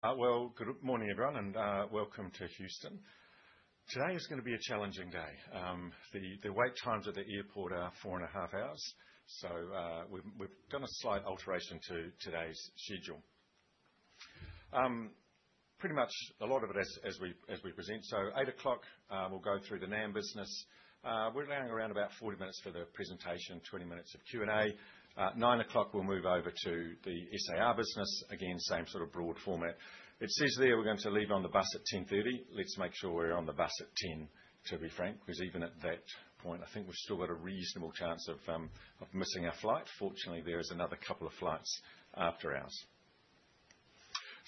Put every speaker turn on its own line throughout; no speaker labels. Well, good morning, everyone, and welcome to Houston. Today is gonna be a challenging day. The wait times at the airport are four and a half hours. We've done a slight alteration to today's schedule. Pretty much a lot of it as we present, so at 8:00 A.M., we'll go through the NAM business. We're allowing around about 40 minutes for the presentation, 20 minutes of Q&A. At 9:00 A.M., we'll move over to the SAR business. Again, same sort of broad format. It says there we're going to leave on the bus at 10:30 A.M. Let's make sure we're on the bus at 10:00 A.M., to be frank, 'cause even at that point, I think we've still got a reasonable chance of missing our flight. Fortunately, there is another couple of flights after ours.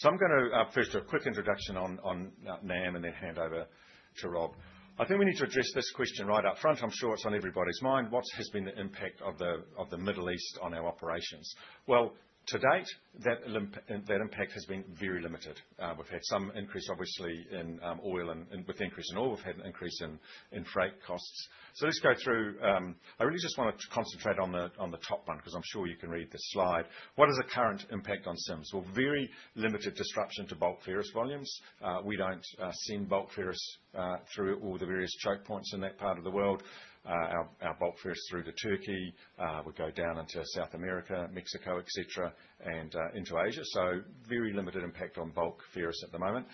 I'm gonna first do a quick introduction on NAM and then hand over to Rob. I think we need to address this question right up front. I'm sure it's on everybody's mind. What has been the impact of the Middle East on our operations? Well, to date, that impact has been very limited. We've had some increase, obviously, in oil and with the increase in oil, we've had an increase in freight costs. Let's go through. I really just wanna concentrate on the top one, 'cause I'm sure you can read this slide. What is the current impact on Sims? Well, very limited disruption to bulk ferrous volumes. We don't send bulk ferrous through all the various choke points in that part of the world. Our bulk ferrous through to Turkey would go down into South America, Mexico, et cetera, and into Asia, so very limited impact on bulk ferrous at the moment.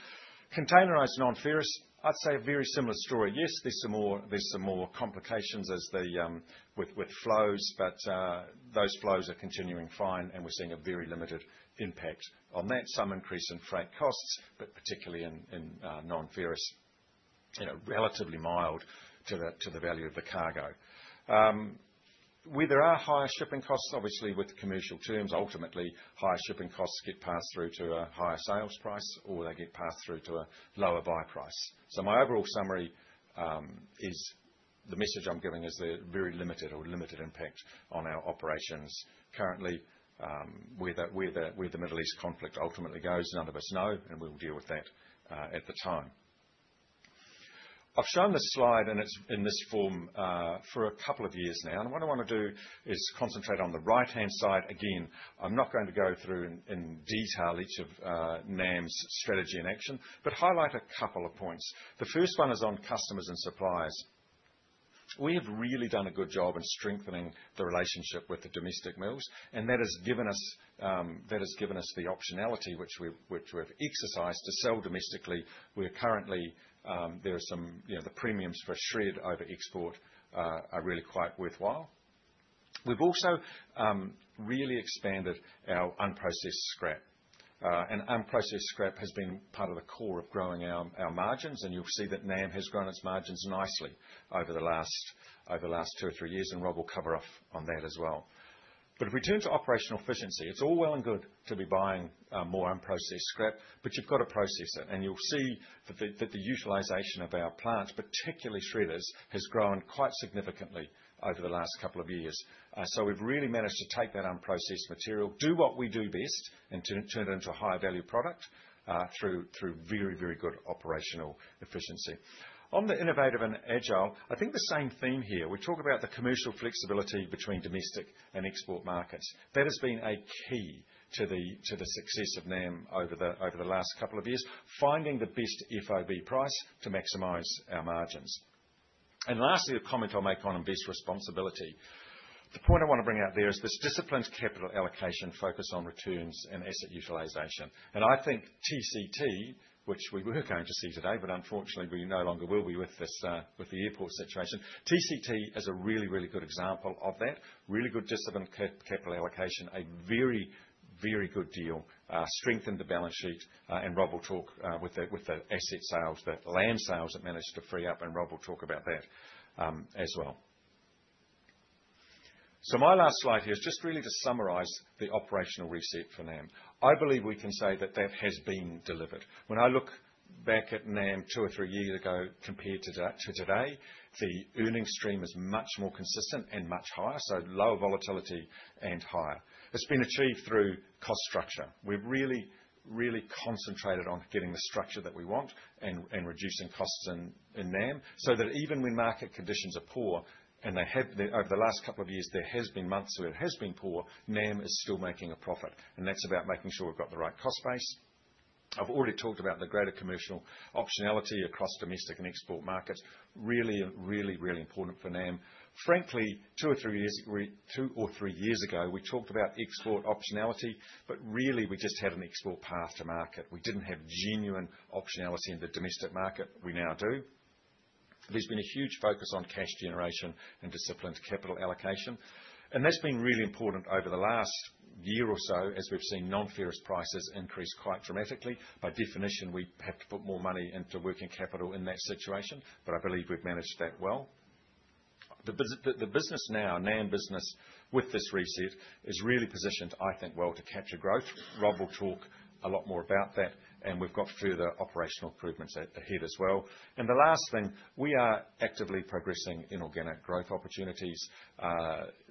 Containerized non-ferrous, I'd say a very similar story. Yes, there's some more complications with flows, but those flows are continuing fine, and we're seeing a very limited impact on that. Some increase in freight costs, but particularly in non-ferrous, you know, relatively mild to the value of the cargo. Where there are higher shipping costs, obviously with the commercial terms, ultimately, higher shipping costs get passed through to a higher sales price, or they get passed through to a lower buy price. My overall summary is the message I'm giving is a very limited or limited impact on our operations currently. Where the Middle East conflict ultimately goes, none of us know, and we'll deal with that at the time. I've shown this slide and it's in this form for a couple of years now, and what I wanna do is concentrate on the right-hand side. Again, I'm not going to go through in detail each of NAM's strategy in action, but highlight a couple of points. The first one is on customers and suppliers. We have really done a good job in strengthening the relationship with the domestic mills, and that has given us the optionality which we've exercised to sell domestically. There are some, you know, the premiums for shred over export are really quite worthwhile. We've also really expanded our unprocessed scrap. Unprocessed scrap has been part of the core of growing our margins, and you'll see that NAM has grown its margins nicely over the last two or three years, and Rob will cover off on that as well. If we turn to operational efficiency, it's all well and good to be buying more unprocessed scrap, but you've got to process it. You'll see that the utilization of our plants, particularly shredders, has grown quite significantly over the last couple of years. We've really managed to take that unprocessed material, do what we do best, and turn it into a higher value product through very good operational efficiency. On the innovative and agile, I think the same theme here. We talk about the commercial flexibility between domestic and export markets. That has been a key to the success of NAM over the last couple of years, finding the best FOB price to maximize our margins. Lastly, a comment I'll make on investment responsibility. The point I wanna bring out there is this disciplined capital allocation focus on returns and asset utilization. I think TCT, which we were going to see today, but unfortunately we no longer will be with this airport situation, TCT is a really good example of that, a really good disciplined capital allocation, a very good deal that strengthened the balance sheet, and Rob will talk with the asset sales, the land sales that managed to free up, as well. My last slide here is just really to summarize the operational reset for NAM. I believe we can say that that has been delivered. When I look back at NAM two or three years ago compared to today, the earnings stream is much more consistent and much higher, so lower volatility and higher. It's been achieved through cost structure. We've really, really concentrated on getting the structure that we want and reducing costs in NAM, so that even when market conditions are poor, and they have been over the last couple of years, there has been months where it has been poor, NAM is still making a profit. That's about making sure we've got the right cost base. I've already talked about the greater commercial optionality across domestic and export markets. Really, really, really important for NAM. Frankly, two or three years ago, we talked about export optionality, but really we just had an export path to market. We didn't have genuine optionality in the domestic market. We now do. There's been a huge focus on cash generation and disciplined capital allocation. That's been really important over the last year or so as we've seen non-ferrous prices increase quite dramatically. By definition, we have to put more money into working capital in that situation, but I believe we've managed that well. The business now, NAM business, with this reset is really positioned, I think, well to capture growth. Rob will talk a lot more about that, and we've got further operational improvements ahead as well. The last thing, we are actively progressing inorganic growth opportunities.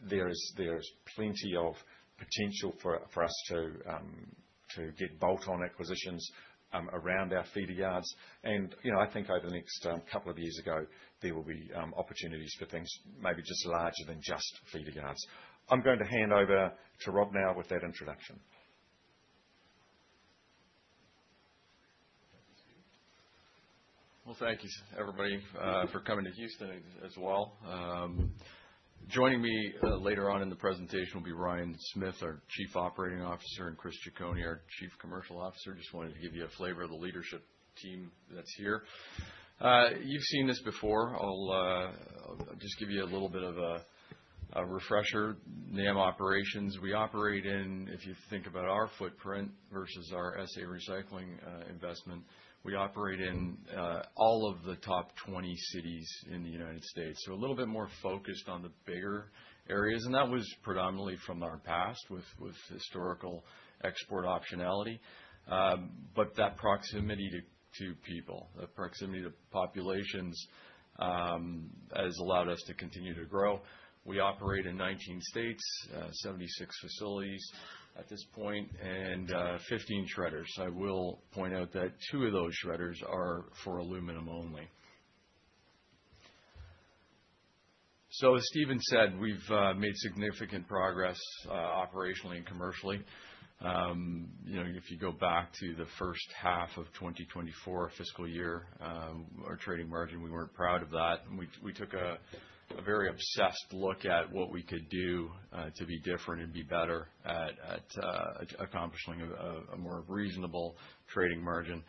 There is plenty of potential for us to get bolt-on acquisitions around our feeder yards. You know, I think over the next couple of years or so, there will be opportunities for things maybe just larger than just feeder yards. I'm going to hand over to Rob now with that introduction.
Well, thank you everybody for coming to Houston as well. Joining me later on in the presentation will be Ryan Smith, our Chief Operating Officer, and Chris Cicconi, our Chief Commercial Officer. Just wanted to give you a flavor of the leadership team that's here. You've seen this before. I'll just give you a little bit of a refresher. NAM operations. We operate in. If you think about our footprint versus our SA Recycling investment, we operate in all of the top 20 cities in the United States, so a little bit more focused on the bigger areas. That was predominantly from our past with historical export optionality. That proximity to people, the proximity to populations has allowed us to continue to grow. We operate in 19 states, 76 facilities at this point, and 15 shredders. I will point out that two of those shredders are for aluminum only. As Stephen said, we've made significant progress operationally and commercially. You know, if you go back to the first half of 2024 fiscal year, our trading margin, we weren't proud of that. We took a very intense look at what we could do to be different and be better at accomplishing a more reasonable trading margin.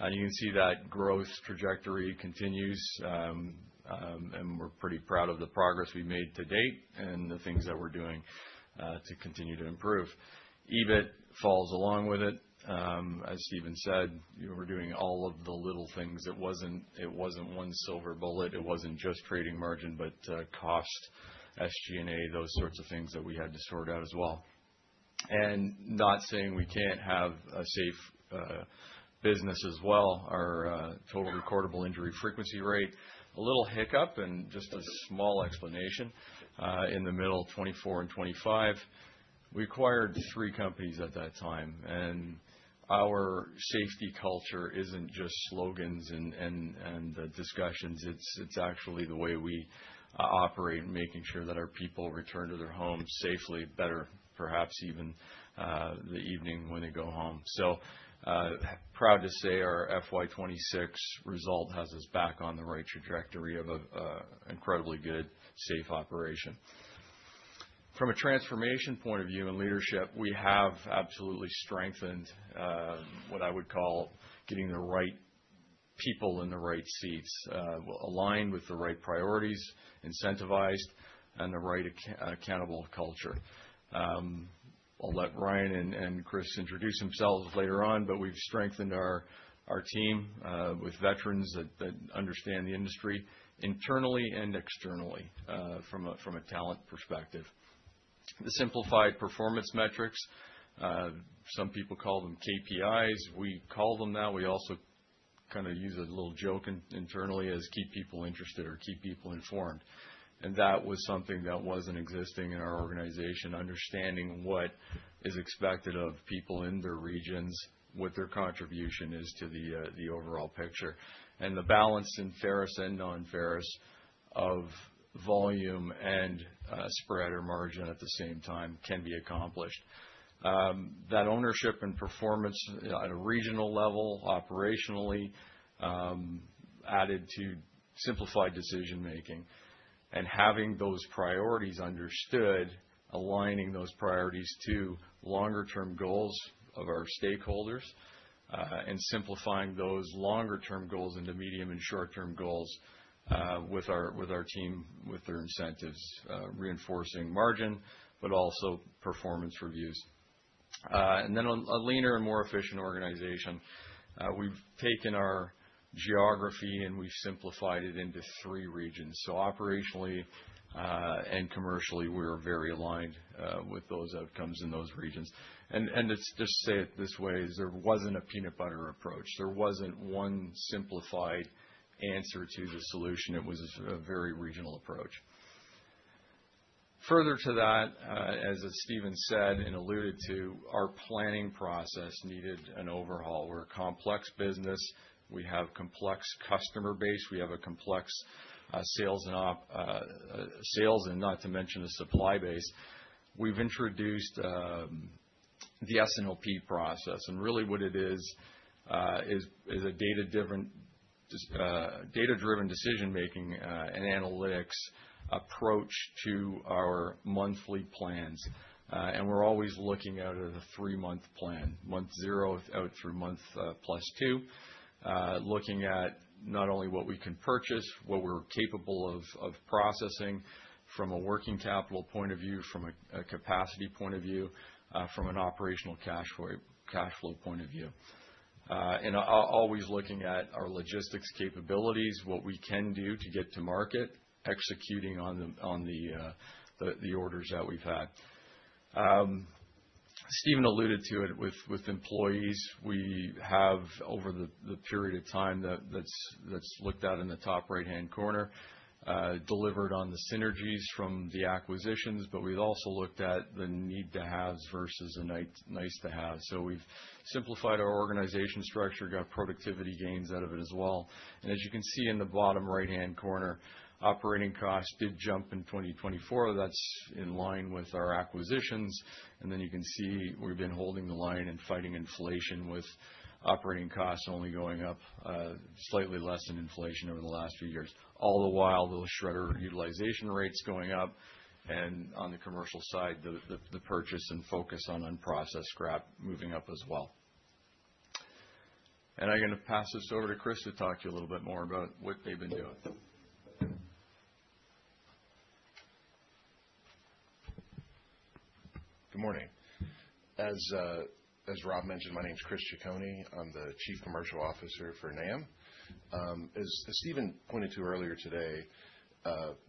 You can see that growth trajectory continues, and we're pretty proud of the progress we made to date and the things that we're doing to continue to improve. EBIT falls along with it. As Stephen said, you know, we're doing all of the little things. It wasn't one silver bullet. It wasn't just trading margin, but cost, SG&A, those sorts of things that we had to sort out as well. Not saying we can't have a safe business as well. Our Total Recordable Injury Frequency Rate, a little hiccup and just a small explanation in the middle of 2024 and 2025. We acquired three companies at that time, and our safety culture isn't just slogans and discussions. It's actually the way we operate, making sure that our people return to their homes safely, better perhaps even the evening when they go home. Proud to say our FY 2026 result has us back on the right trajectory of an incredibly good, safe operation. From a transformation point of view and leadership, we have absolutely strengthened what I would call getting the right people in the right seats, aligned with the right priorities, incentivized, and the right accountable culture. I'll let Ryan and Chris introduce themselves later on, but we've strengthened our team with veterans that understand the industry internally and externally, from a talent perspective. The simplified performance metrics, some people call them KPIs. We call them that. We also kind of use a little joke internally as keep people interested or keep people informed. That was something that wasn't existing in our organization, understanding what is expected of people in their regions, what their contribution is to the overall picture. The balance in ferrous and non-ferrous of volume and, spread or margin at the same time can be accomplished. That ownership and performance at a regional level, operationally, added to simplified decision-making and having those priorities understood, aligning those priorities to longer term goals of our stakeholders, and simplifying those longer term goals into medium and short-term goals, with our team, with their incentives, reinforcing margin, but also performance reviews. On a leaner and more efficient organization, we've taken our geography, and we've simplified it into three regions. Operationally and commercially, we're very aligned with those outcomes in those regions. It's just, say it this way. There wasn't a peanut butter approach. There wasn't one simplified answer to the solution. It was a very regional approach. Further to that, as Stephen said and alluded to, our planning process needed an overhaul. We're a complex business. We have a complex customer base. We have a complex sales and operations and not to mention a supply base. We've introduced the S&OP process, and really what it is is a data-driven decision-making and analytics approach to our monthly plans. We're always looking at it as a three-month plan, month zero out through month plus two, looking at not only what we can purchase, what we're capable of processing from a working capital point of view, from a capacity point of view, from an operational cashflow point of view. Always looking at our logistics capabilities, what we can do to get to market, executing on the orders that we've had. Stephen alluded to it with employees. We have, over the period of time that's looked at in the top right-hand corner, delivered on the synergies from the acquisitions, but we've also looked at the need to haves versus a nice to have. We've simplified our organization structure, got productivity gains out of it as well. As you can see in the bottom right-hand corner, operating costs did jump in 2024. That's in line with our acquisitions. You can see we've been holding the line and fighting inflation with operating costs only going up, slightly less than inflation over the last few years. All the while, those shredder utilization rates going up, and on the commercial side, the purchase and focus on unprocessed scrap moving up as well. I'm gonna pass this over to Chris to talk to you a little bit more about what they've been doing.
Good morning. As Rob mentioned, my name's Chris Ciccone. I'm the Chief Commercial Officer for NAM. As Stephen pointed to earlier today,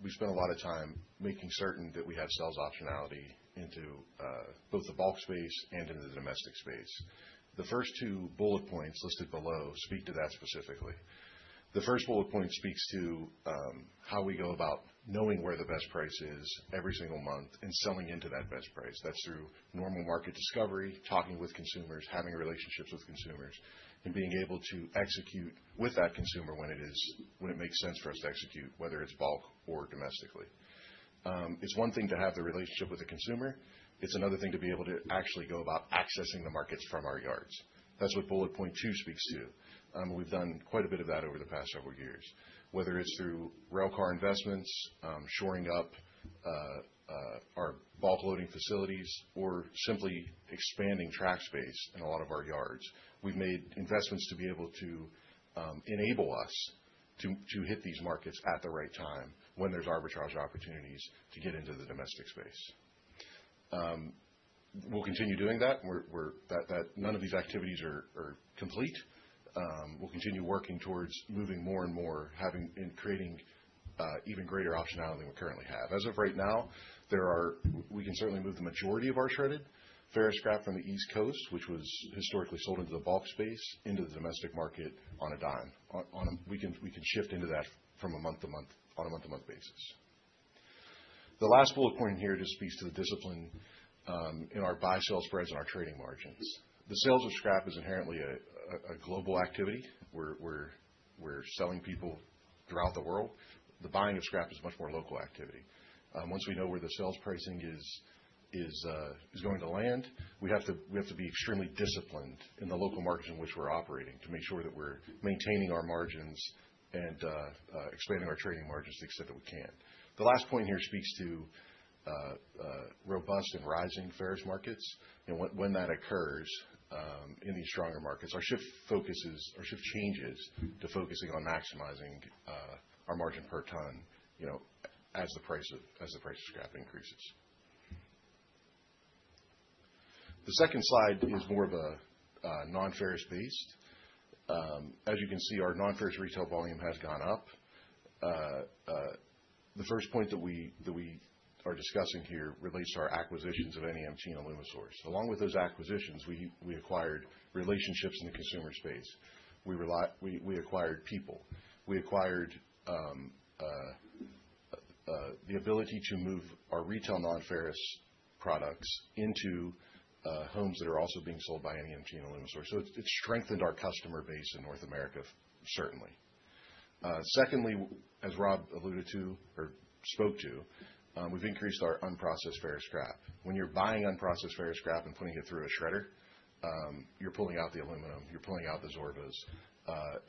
we spent a lot of time making certain that we have sales optionality into both the bulk space and into the domestic space. The first two bullet points listed below speak to that specifically. The first bullet point speaks to how we go about knowing where the best price is every single month and selling into that best price. That's through normal market discovery, talking with consumers, having relationships with consumers, and being able to execute with that consumer when it makes sense for us to execute, whether it's bulk or domestically. It's one thing to have the relationship with the consumer, it's another thing to be able to actually go about accessing the markets from our yards. That's what bullet point two speaks to. We've done quite a bit of that over the past several years, whether it's through rail car investments, shoring up our bulk loading facilities, or simply expanding track space in a lot of our yards. We've made investments to be able to enable us to hit these markets at the right time when there's arbitrage opportunities to get into the domestic space. We'll continue doing that. None of these activities are complete. We'll continue working towards moving more and more, having and creating even greater optionality than we currently have. As of right now, there are... We can certainly move the majority of our shredded ferrous scrap from the East Coast, which was historically sold into the bulk space, into the domestic market on a dime. We can shift into that from month to month, on a month-to-month basis. The last bullet point here just speaks to the discipline in our buy-sell spreads and our trading margins. The sales of scrap is inherently a global activity. We're selling to people throughout the world. The buying of scrap is much more a local activity. Once we know where the sales pricing is going to land, we have to be extremely disciplined in the local markets in which we're operating to make sure that we're maintaining our margins and expanding our trading margins to the extent that we can. The last point here speaks to robust and rising ferrous markets. When that occurs in these stronger markets, our shift changes to focusing on maximizing our margin per ton, you know, as the price of scrap increases. The second slide is more of a non-ferrous beast. As you can see, our non-ferrous retail volume has gone up. The first point that we are discussing here relates to our acquisitions of NMT and Alumisource. Along with those acquisitions, we acquired relationships in the consumer space. We acquired people. We acquired the ability to move our retail non-ferrous products into homes that are also being sold by NMT and Alumisource. It has strengthened our customer base in North America, certainly. Secondly, as Rob alluded to or spoke to, we've increased our unprocessed ferrous scrap. When you're buying unprocessed ferrous scrap and putting it through a shredder, you're pulling out the aluminum, you're pulling out the Zorba.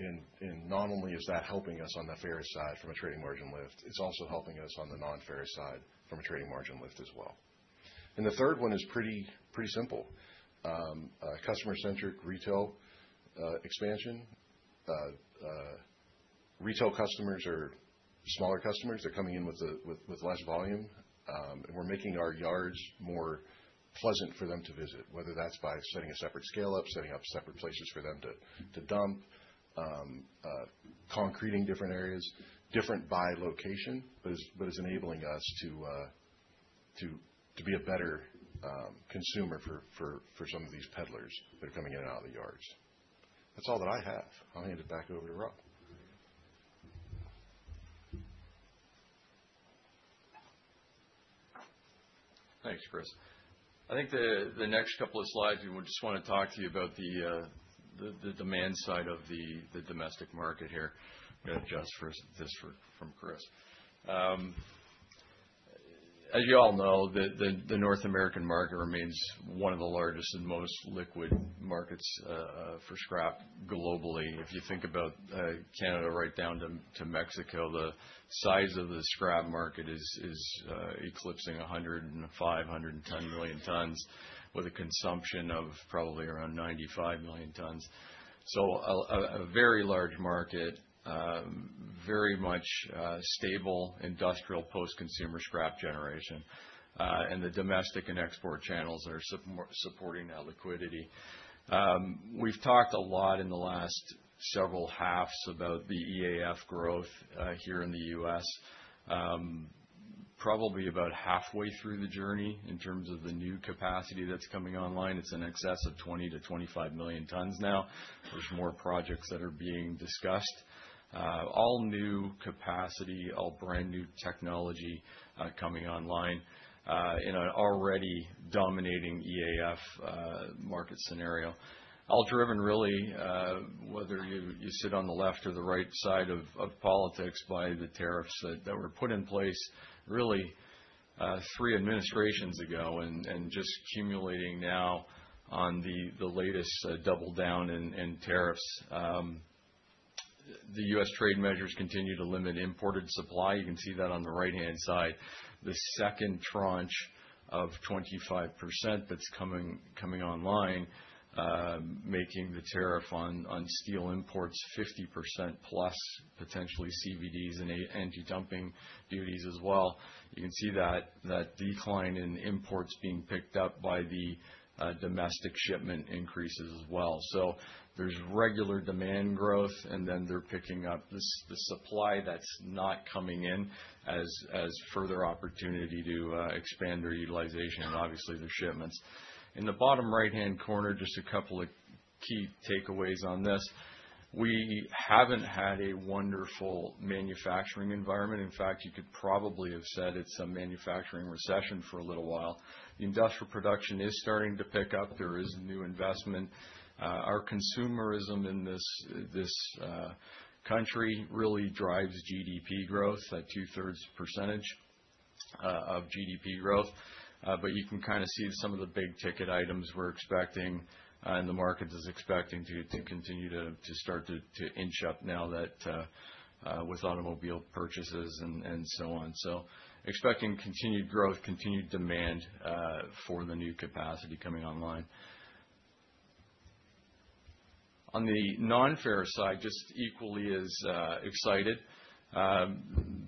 Not only is that helping us on the ferrous side from a trading margin lift, it's also helping us on the non-ferrous side from a trading margin lift as well. The third one is pretty simple. Customer-centric retail expansion. Retail customers are smaller customers. They're coming in with less volume. We're making our yards more pleasant for them to visit, whether that's by setting up a separate scale, setting up separate places for them to dump, concreting different areas, different by location, but it's enabling us to be a better consumer for some of these peddlers that are coming in and out of the yards. That's all that I have. I'll hand it back over to Rob.
Thanks, Chris. I think the next couple of slides, we just wanna talk to you about the demand side of the domestic market here. I'm gonna adjust this first, from Chris. As you all know, the North American market remains one of the largest and most liquid markets for scrap globally. If you think about Canada right down to Mexico, the size of the scrap market is eclipsing 105-110 million tons, with a consumption of probably around 95 million tons. So a very large market, very much stable industrial post-consumer scrap generation, and the domestic and export channels are supporting that liquidity. We've talked a lot in the last several halves about the EAF growth here in the U.S. Probably about halfway through the journey in terms of the new capacity that's coming online. It's in excess of 20 million-25 million tons now. There's more projects that are being discussed. All new capacity, all brand-new technology are coming online, in an already dominating EAF market scenario. All driven really, whether you sit on the left or the right side of politics by the tariffs that were put in place really three administrations ago and just accumulating now on the latest double down in tariffs. The U.S. trade measures continue to limit imported supply. You can see that on the right-hand side. The second tranche of 25% that's coming online, making the tariff on steel imports 50%+ potentially CVDs and anti-dumping duties as well. You can see that decline in imports being picked up by the domestic shipment increases as well. There's regular demand growth, and then they're picking up the supply that's not coming in as further opportunity to expand their utilization and obviously their shipments. In the bottom right-hand corner, just a couple of key takeaways on this. We haven't had a wonderful manufacturing environment. In fact, you could probably have said it's a manufacturing recession for a little while. The industrial production is starting to pick up. There is new investment. Our consumerism in this country really drives two-thirds of GDP growth. You can kind of see some of the big-ticket items we're expecting, and the market is expecting to continue to inch up now that with automobile purchases and so on. Expecting continued growth, continued demand for the new capacity coming online. On the nonferrous side, just equally as excited.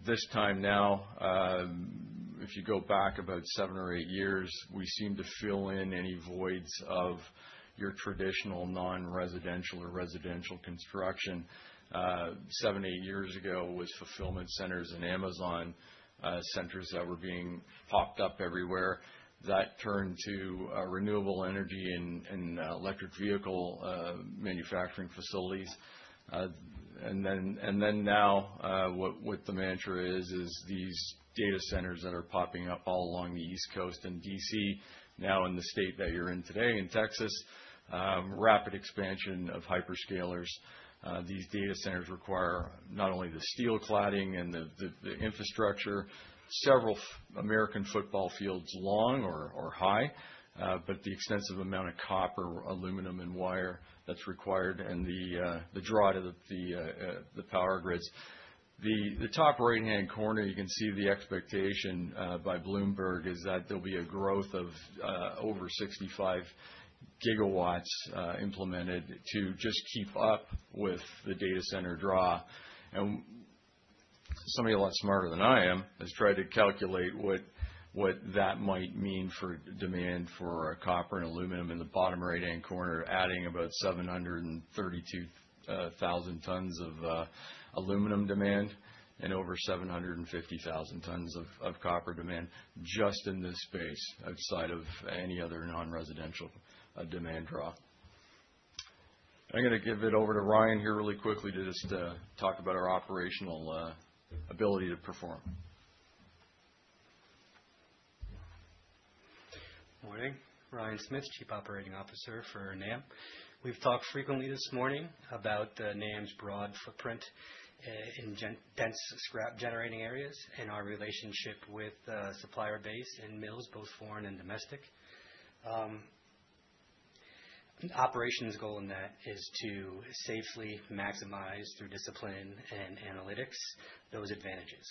This time now, if you go back about seven or eight years, we seem to fill in any voids of your traditional non-residential or residential construction. Seven or eight years ago, it was fulfillment centers and Amazon centers that were being popped up everywhere. That turned to renewable energy and electric vehicle manufacturing facilities. The mantra is these data centers that are popping up all along the East Coast and D.C., now in the state that you're in today, in Texas, rapid expansion of hyperscalers. These data centers require not only the steel cladding and the infrastructure, several American football fields long or high, but the extensive amount of copper, aluminum, and wire that's required and the draw to the power grids. In the top right-hand corner, you can see the expectation by Bloomberg is that there'll be a growth of over 65 GW implemented to just keep up with the data center draw. Somebody a lot smarter than I am has tried to calculate what that might mean for demand for copper and aluminum in the bottom right-hand corner, adding about 732,000 tons of aluminum demand and over 750,000 tons of copper demand just in this space outside of any other non-residential demand draw. I'm gonna give it over to Ryan here really quickly to just talk about our operational ability to perform.
Morning. Ryan Smith, Chief Operating Officer for NAM. We've talked frequently this morning about NAM's broad footprint in dense scrap generating areas and our relationship with supplier base and mills, both foreign and domestic. Operations goal in that is to safely maximize through discipline and analytics those advantages.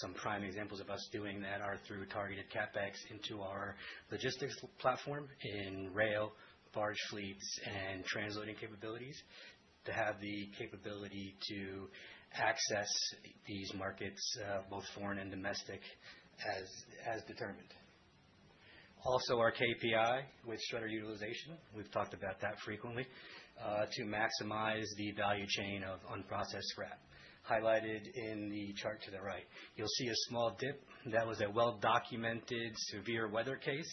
Some prime examples of us doing that are through targeted CapEx into our logistics platform in rail, barge fleets, and transloading capabilities to have the capability to access these markets, both foreign and domestic, as determined. Also, our KPI with shredder utilization, we've talked about that frequently, to maximize the value chain of unprocessed scrap. Highlighted in the chart to the right, you'll see a small dip. That was a well-documented severe weather case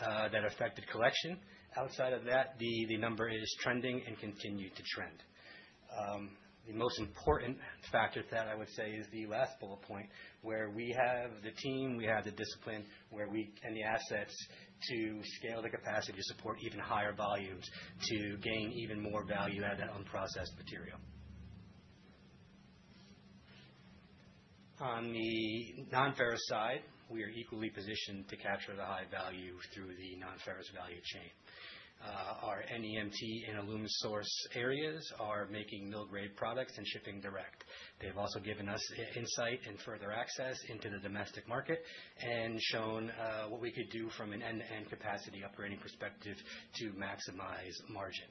that affected collection. Outside of that, the number is trending and continued to trend. The most important factor to that, I would say, is the last bullet point, where we have the team, we have the discipline and the assets to scale the capacity to support even higher volumes to gain even more value out of that unprocessed material. On the non-ferrous side, we are equally positioned to capture the high value through the non-ferrous value chain. Our NEMT and Alumisource areas are making mill-grade products and shipping direct. They've also given us insight and further access into the domestic market and shown what we could do from an end-to-end capacity operating perspective to maximize margin.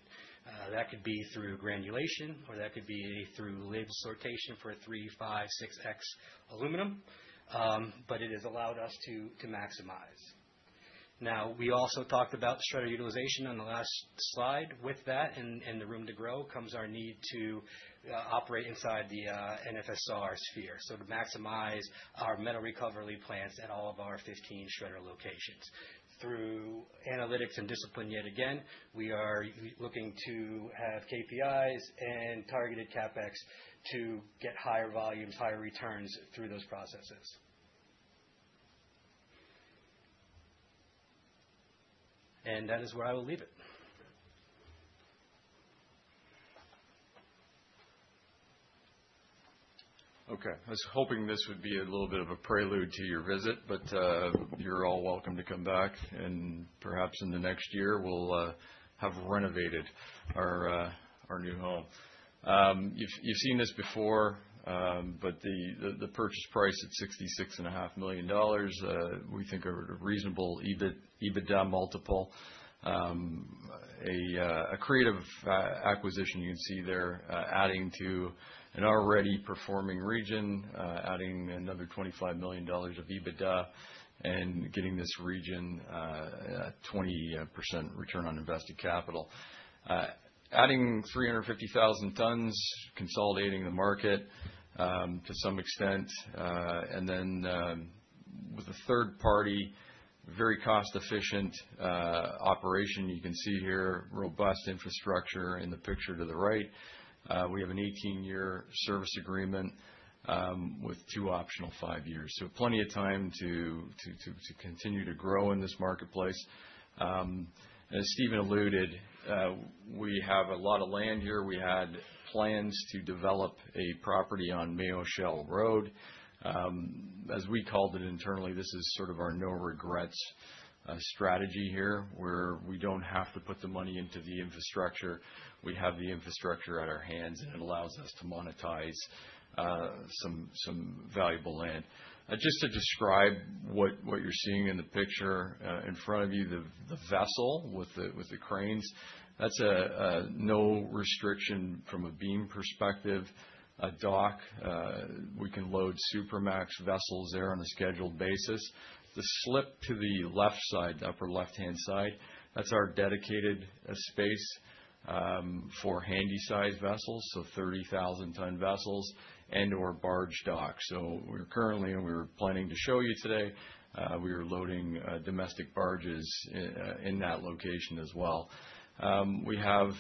That could be through granulation, or that could be through LIBS sortation for three X, five X, six X aluminum. But it has allowed us to maximize. We also talked about shredder utilization on the last slide. With that and the room to grow comes our need to operate inside the non-ferrous sphere. To maximize our metal recovery plants in all of our 15 shredder locations. Through analytics and discipline yet again, we are looking to have KPIs and targeted CapEx to get higher volumes, higher returns through those processes. That is where I will leave it.
Okay. I was hoping this would be a little bit of a prelude to your visit, but you're all welcome to come back. Perhaps in the next year, we'll have renovated our our new home. You've seen this before, but the purchase price at $66.5 million we think are reasonable EBIT, EBITDA multiple. A creative acquisition you can see there, adding to an already performing region, adding another $25 million of EBITDA and getting this region a 20% return on invested capital. Adding 350,000 tons, consolidating the market to some extent. And then with a third party, very cost-efficient operation you can see here, robust infrastructure in the picture to the right. We have an 18-year service agreement with two optional five years. Plenty of time to continue to grow in this marketplace. As Steven alluded, we have a lot of land here. We had plans to develop a property on Mayo Shell Road. As we called it internally, this is sort of our no regrets strategy here, where we don't have to put the money into the infrastructure. We have the infrastructure at our hands, and it allows us to monetize some valuable land. Just to describe what you're seeing in the picture in front of you, the vessel with the cranes, that's a no restriction from a beam perspective, a dock. We can load Supramax vessels there on a scheduled basis. The slip to the left side, upper left-hand side, that's our dedicated space for handysized vessels, so 30,000-ton vessels and/or barge dock. We're currently, and we were planning to show you today, we are loading domestic barges in that location as well. We have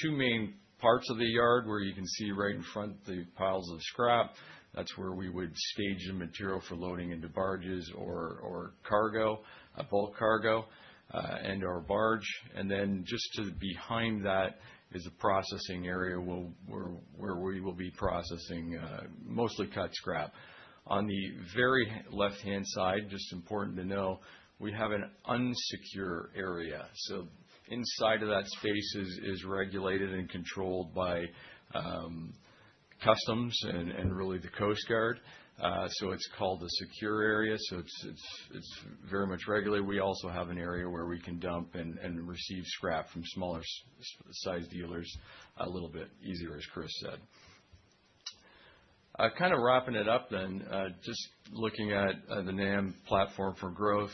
two main parts of the yard where you can see right in front, the piles of scrap. That's where we would stage the material for loading into barges or cargo, a bulk cargo, and/or barge. Then just behind that is a processing area where we will be processing mostly cut scrap. On the very left-hand side, just important to know, we have an unsecure area. Inside of that space is regulated and controlled by customs and really the Coast Guard. It's called a secure area, so it's very much regulated. We also have an area where we can dump and receive scrap from smaller-sized dealers a little bit easier, as Chris said. Kind of wrapping it up then, just looking at the NAM platform for growth.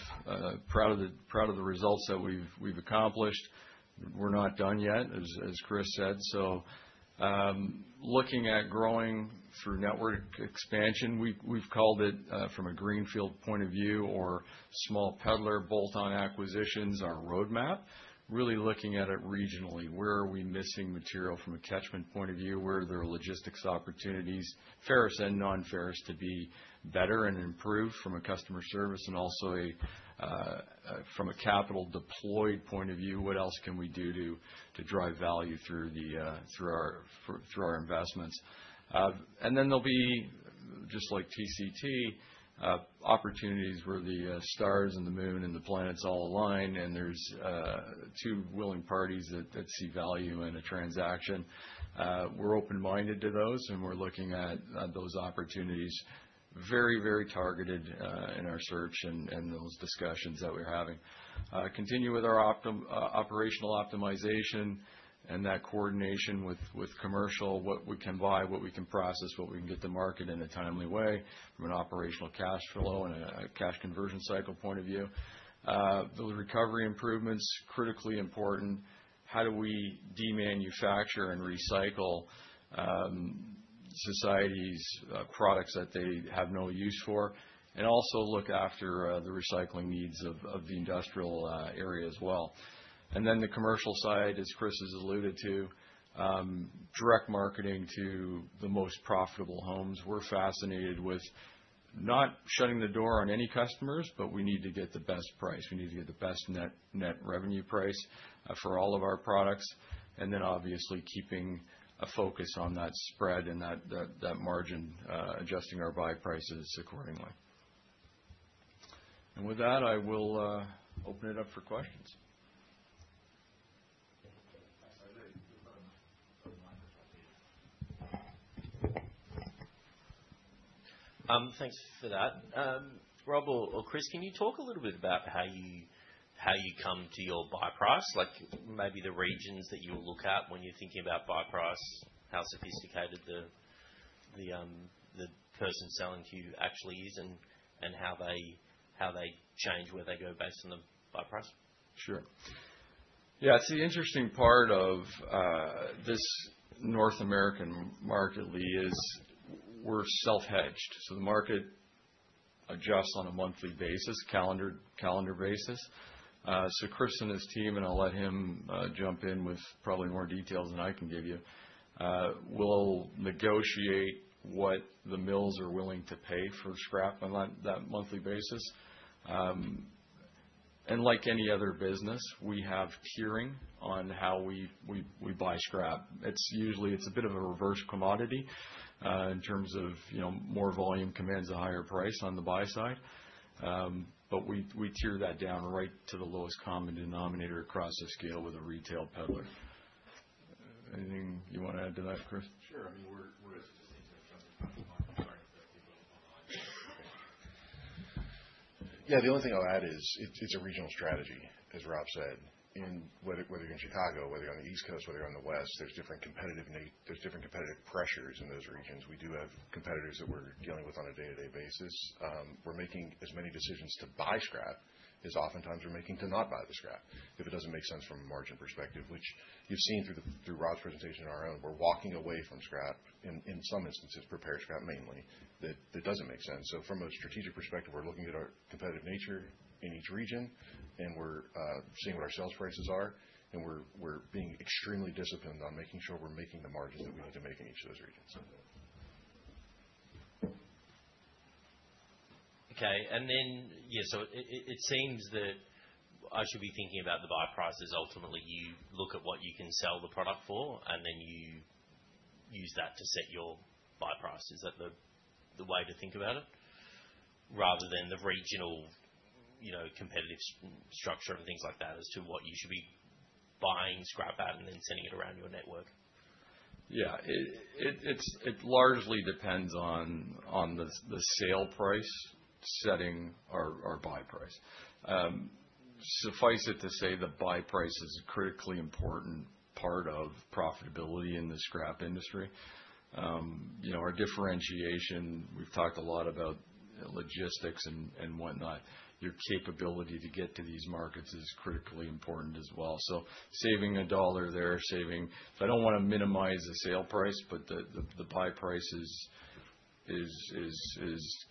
Proud of the results that we've accomplished. We're not done yet, as Chris said. Looking at growing through network expansion, we've called it from a greenfield point of view or small peddler bolt-on acquisitions, our roadmap. Really looking at it regionally, where are we missing material from a catchment point of view? Where there are logistics opportunities, ferrous and non-ferrous, to be better and improved from a customer service and also from a capital deployed point of view, what else can we do to drive value through our for our investments? There'll be, just like TCT, opportunities where the stars and the moon and the planets all align, and there's two willing parties that see value in a transaction. We're open-minded to those, and we're looking at those opportunities very targeted in our search and those discussions that we're having. Continue with our operational optimization and that coordination with commercial, what we can buy, what we can process, what we can get to market in a timely way from an operational cash flow and a cash conversion cycle point of view. The recovery improvements, critically important. How do we demanufacture and recycle society's products that they have no use for? Also look after the recycling needs of the industrial area as well. Then the commercial side, as Chris has alluded to, direct marketing to the most profitable homes. We're fascinated with not shutting the door on any customers, but we need to get the best price. We need to get the best net revenue price for all of our products. Obviously keeping a focus on that spread and that margin, adjusting our buy prices accordingly. With that, I will open it up for questions.
Thanks for that. Rob or Chris, can you talk a little bit about how you come to your buy price? Like maybe the regions that you look at when you're thinking about buy price, how sophisticated the person selling to you actually is and how they change where they go based on the buy price?
Sure. Yeah. See, interesting part of this North American market, Lee, is we're self-hedged, so the market adjusts on a monthly basis, calendar basis. So Chris and his team, and I'll let him jump in with probably more details than I can give you, will negotiate what the mills are willing to pay for scrap on that monthly basis. Like any other business, we have tiering on how we buy scrap. It's usually a bit of a reverse commodity, in terms of, you know, more volume commands a higher price on the buy side. But we tier that down right to the lowest common denominator across the scale with a retail peddler. Anything you wanna add to that, Chris?
Sure. I mean, we're at the same sort of pricing model, right, as the... Yeah. The only thing I'll add is it's a regional strategy, as Rob said. Whether you're in Chicago, whether you're on the East Coast, whether you're on the West, there's different competitive pressures in those regions. We do have competitors that we're dealing with on a day-to-day basis. We're making as many decisions to buy scrap as oftentimes we're making to not buy the scrap, if it doesn't make sense from a margin perspective, which you've seen through Rob's presentation and our own. We're walking away from scrap in some instances, prepared scrap mainly, that doesn't make sense. From a strategic perspective, we're looking at our competitive nature in each region, and we're seeing what our sales prices are, and we're being extremely disciplined on making sure we're making the margins that we need to make in each of those regions.
It seems that I should be thinking about the buy prices. Ultimately, you look at what you can sell the product for, and then you use that to set your buy price. Is that the way to think about it? Rather than the regional, you know, competitive structure and things like that as to what you should be buying scrap at and then sending it around your network.
It largely depends on the sale price setting our buy price. Suffice it to say the buy price is a critically important part of profitability in the scrap industry. You know, our differentiation, we've talked a lot about logistics and whatnot. Your capability to get to these markets is critically important as well. Saving a dollar there, I don't wanna minimize the sale price, but the buy price is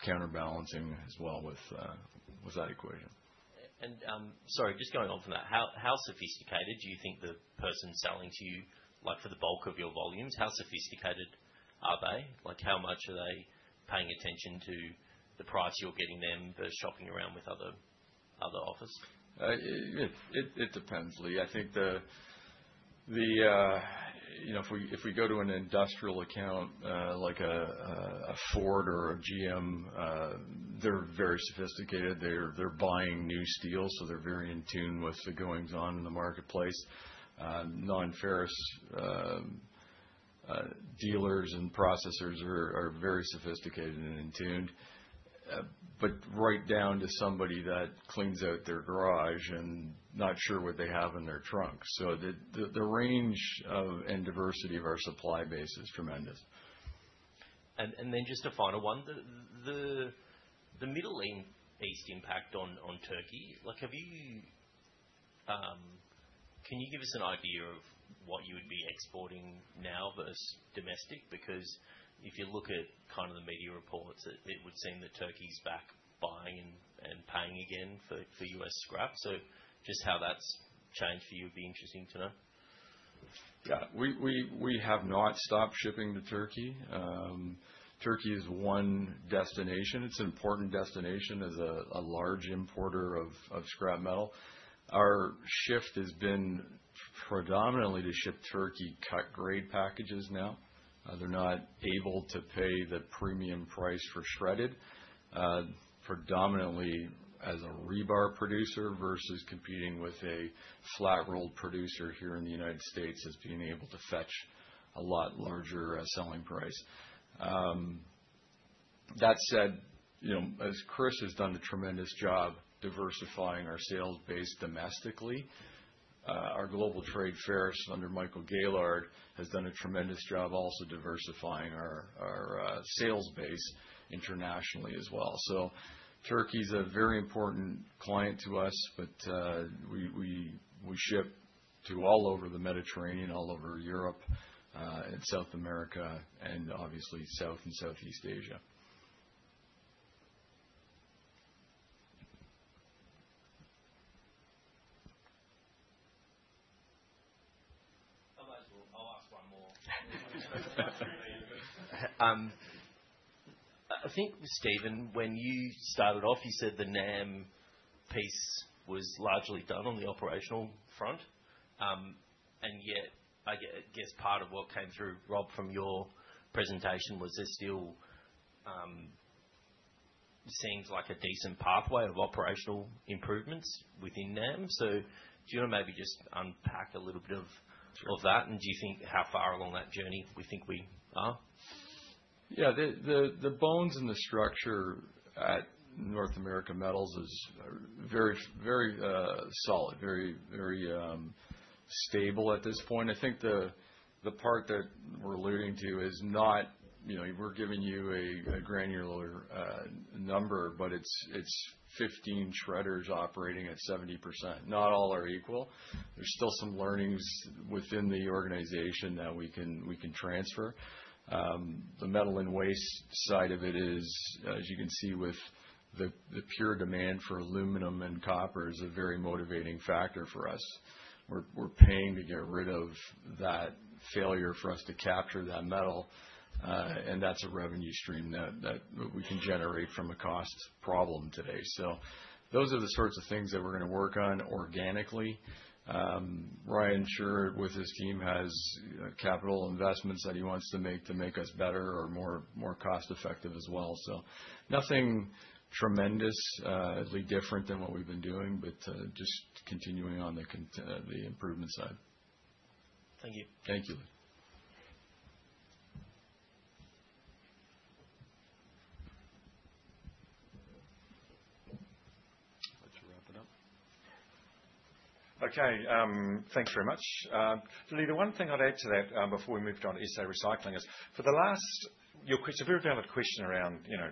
counterbalancing as well with that equation.
Sorry, just going on from that. How sophisticated do you think the person selling to you, like for the bulk of your volumes, how sophisticated are they? Like, how much are they paying attention to the price you're getting them versus shopping around with other offers?
It depends, Lee. I think you know, if we go to an industrial account, like a Ford or a GM, they're very sophisticated. They're buying new steel, so they're very in tune with the goings on in the marketplace. Non-ferrous dealers and processors are very sophisticated and in tune. But right down to somebody that cleans out their garage and not sure what they have in their trunk. The range and diversity of our supply base is tremendous.
Just a final one. The Middle East impact on Turkey. Like, have you... Can you give us an idea of what you would be exporting now versus domestic? Because if you look at kind of the media reports, it would seem that Turkey's back buying and paying again for U.S. scrap. Just how that's changed for you would be interesting to know.
Yeah. We have not stopped shipping to Turkey. Turkey is one destination. It's an important destination as a large importer of scrap metal. Our shift has been predominantly to ship Turkey cut grade packages now. They're not able to pay the premium price for shredded. Predominantly as a rebar producer versus competing with a flat rolled producer here in the United States as being able to fetch a lot larger selling price. That said, you know, as Chris has done a tremendous job diversifying our sales base domestically, our Global Trade Fairs under Michael Gaillard has done a tremendous job also diversifying our sales base internationally as well. Turkey's a very important client to us, but we ship to all over the Mediterranean, all over Europe, and South America and obviously South and Southeast Asia.
I'll ask one more. I think, Steven, when you started off, you said the NAM piece was largely done on the operational front. Yet I get, I guess part of what came through, Rob, from your presentation was there still seems like a decent pathway of operational improvements within NAM. Do you wanna maybe just unpack a little bit of that? Do you think how far along that journey we think we are?
Yeah. The bones and the structure at North America Metal is very solid, very stable at this point. I think the part that we're alluding to is not, you know, we're giving you a granular number, but it's 15 shredders operating at 70%. Not all are equal. There's still some learnings within the organization that we can transfer. The metal and waste side of it is, as you can see with the pure demand for aluminum and copper, a very motivating factor for us. We're paying to get rid of that failure for us to capture that metal, and that's a revenue stream that we can generate from a cost problem today. Those are the sorts of things that we're gonna work on organically. Ryan, sure, with his team, has capital investments that he wants to make to make us better or more cost-effective as well. Nothing tremendously different than what we've been doing, but just continuing on the improvement side.
Thank you.
Thank you.
Let me wrap it up.
Okay, thank you very much. So the one thing I'd add to that before we moved on to SA Recycling is for the last two to three years. It's a very valid question around, you know,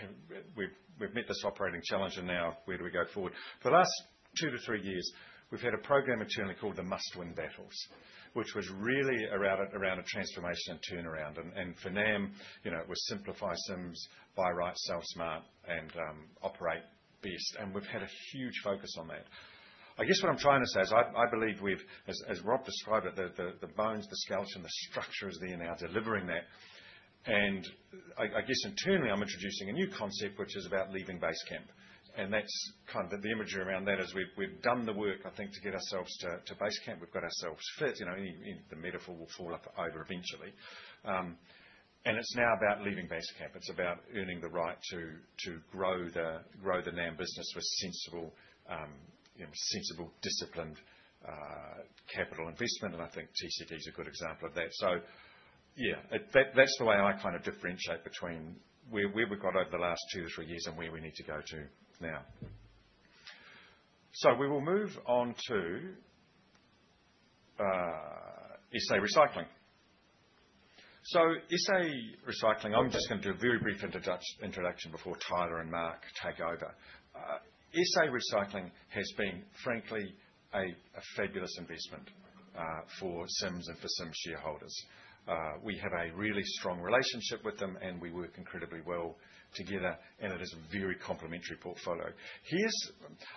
have we met this operating challenge and now where do we go forward? For the last two to three years, we've had a program internally called the Must-Win Battles, which was really around a transformation and turnaround. For NAM, you know, it was simplify Sims, buy right, sell smart, and operate base. We've had a huge focus on that. I guess what I'm trying to say is I believe we've as Rob described it, the bones, the skeleton, the structure is there now delivering that. I guess internally, I'm introducing a new concept, which is about leaving base camp. That's kind of the imagery around that, is we've done the work, I think, to get ourselves to base camp. We've got ourselves fit. You know, the metaphor will fall apart over eventually. It's now about leaving base camp. It's about earning the right to grow the NAM business with sensible, disciplined capital investment. I think TCT's a good example of that. Yeah, that's the way I kind of differentiate between where we've got over the last two or three years and where we need to go to now. We will move on to SA Recycling. SA Recycling, I'm just gonna do a very brief introduction before Tyler and Mark take over. SA Recycling has been frankly a fabulous investment for Sims and for Sims shareholders. We have a really strong relationship with them, and we work incredibly well together, and it is a very complementary portfolio.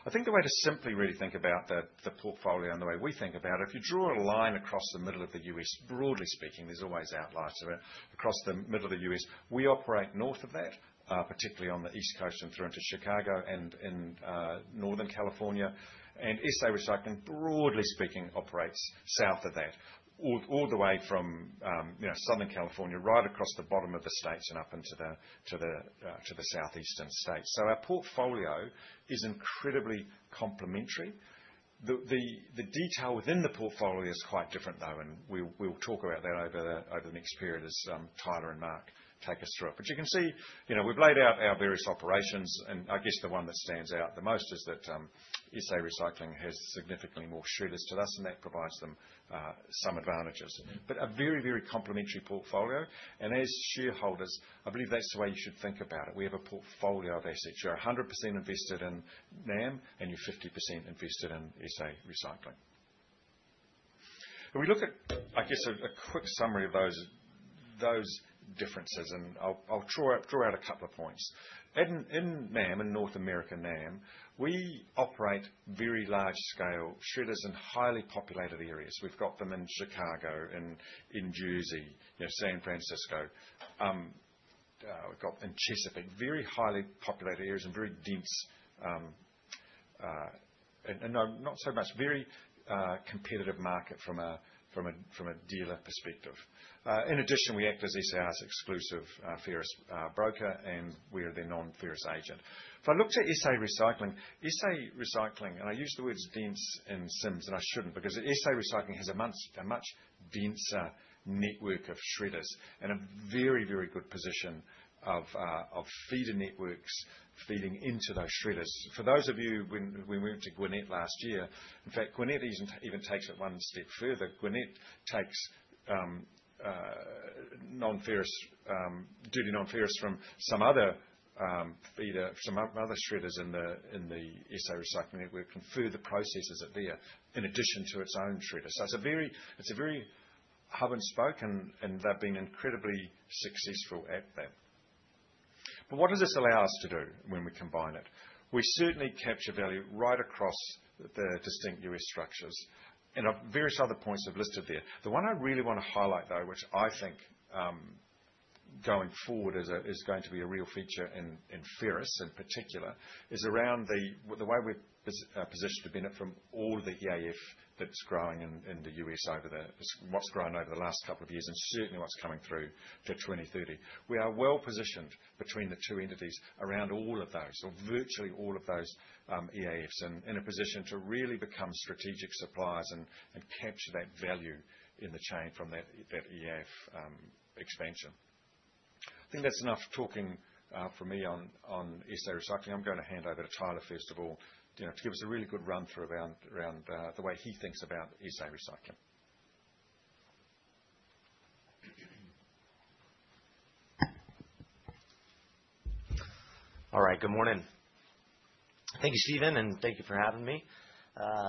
I think the way to simply really think about the portfolio and the way we think about it, if you draw a line across the middle of the U.S., broadly speaking, there's always outliers of it. Across the middle of the U.S., we operate north of that, particularly on the East Coast and through into Chicago and in Northern California. SA Recycling, broadly speaking, operates south of that, all the way from, you know, Southern California, right across the bottom of the states and up into the southeastern states. Our portfolio is incredibly complementary. The detail within the portfolio is quite different, though, and we'll talk about that over the next period as Tyler and Mark take us through it. You can see, you know, we've laid out our various operations, and I guess the one that stands out the most is that SA Recycling has significantly more shredders to us, and that provides them some advantages. A very complementary portfolio. As shareholders, I believe that's the way you should think about it. We have a portfolio of assets. You're 100% invested in NAM, and you're 50% invested in SA Recycling. If we look at, I guess, a quick summary of those differences, and I'll draw out a couple of points. In NAM, in North America, we operate very large-scale shredders in highly populated areas. We've got them in Chicago, Jersey, you know, San Francisco. We've got them in Chesapeake. Very highly populated areas and very dense, and not so much very competitive market from a dealer perspective. In addition, we act as SA Recycling's exclusive ferrous broker, and we are their non-ferrous agent. If I look to SA Recycling, and I use the words dense in Sims, and I shouldn't, because SA Recycling has a much denser network of shredders and a very good position of feeder networks feeding into those shredders. For those of you when we moved to Gwinnett last year, in fact, Gwinnett even takes it one step further. Gwinnett takes non-ferrous, dirty non-ferrous from some other feeder, some other shredders in the SA Recycling network and further processes it there in addition to its own shredders. It's a very hub and spoke and they've been incredibly successful at that. What does this allow us to do when we combine it? We certainly capture value right across the distinct U.S. structures. Various other points I've listed there. The one I really wanna highlight though, which I think going forward is going to be a real feature in ferrous in particular, is around the way we're positioned to benefit from all of the EAF that's growing in the U.S., what's grown over the last couple of years and certainly what's coming through to 2030. We are well-positioned between the two entities around all of those or virtually all of those EAFs and in a position to really become strategic suppliers and capture that value in the chain from that EAF expansion. I think that's enough talking from me on SA Recycling. I'm gonna hand over to Tyler, first of all, you know, to give us a really good run through around the way he thinks about SA Recycling.
All right. Good morning. Thank you, Stephen, and thank you for having me.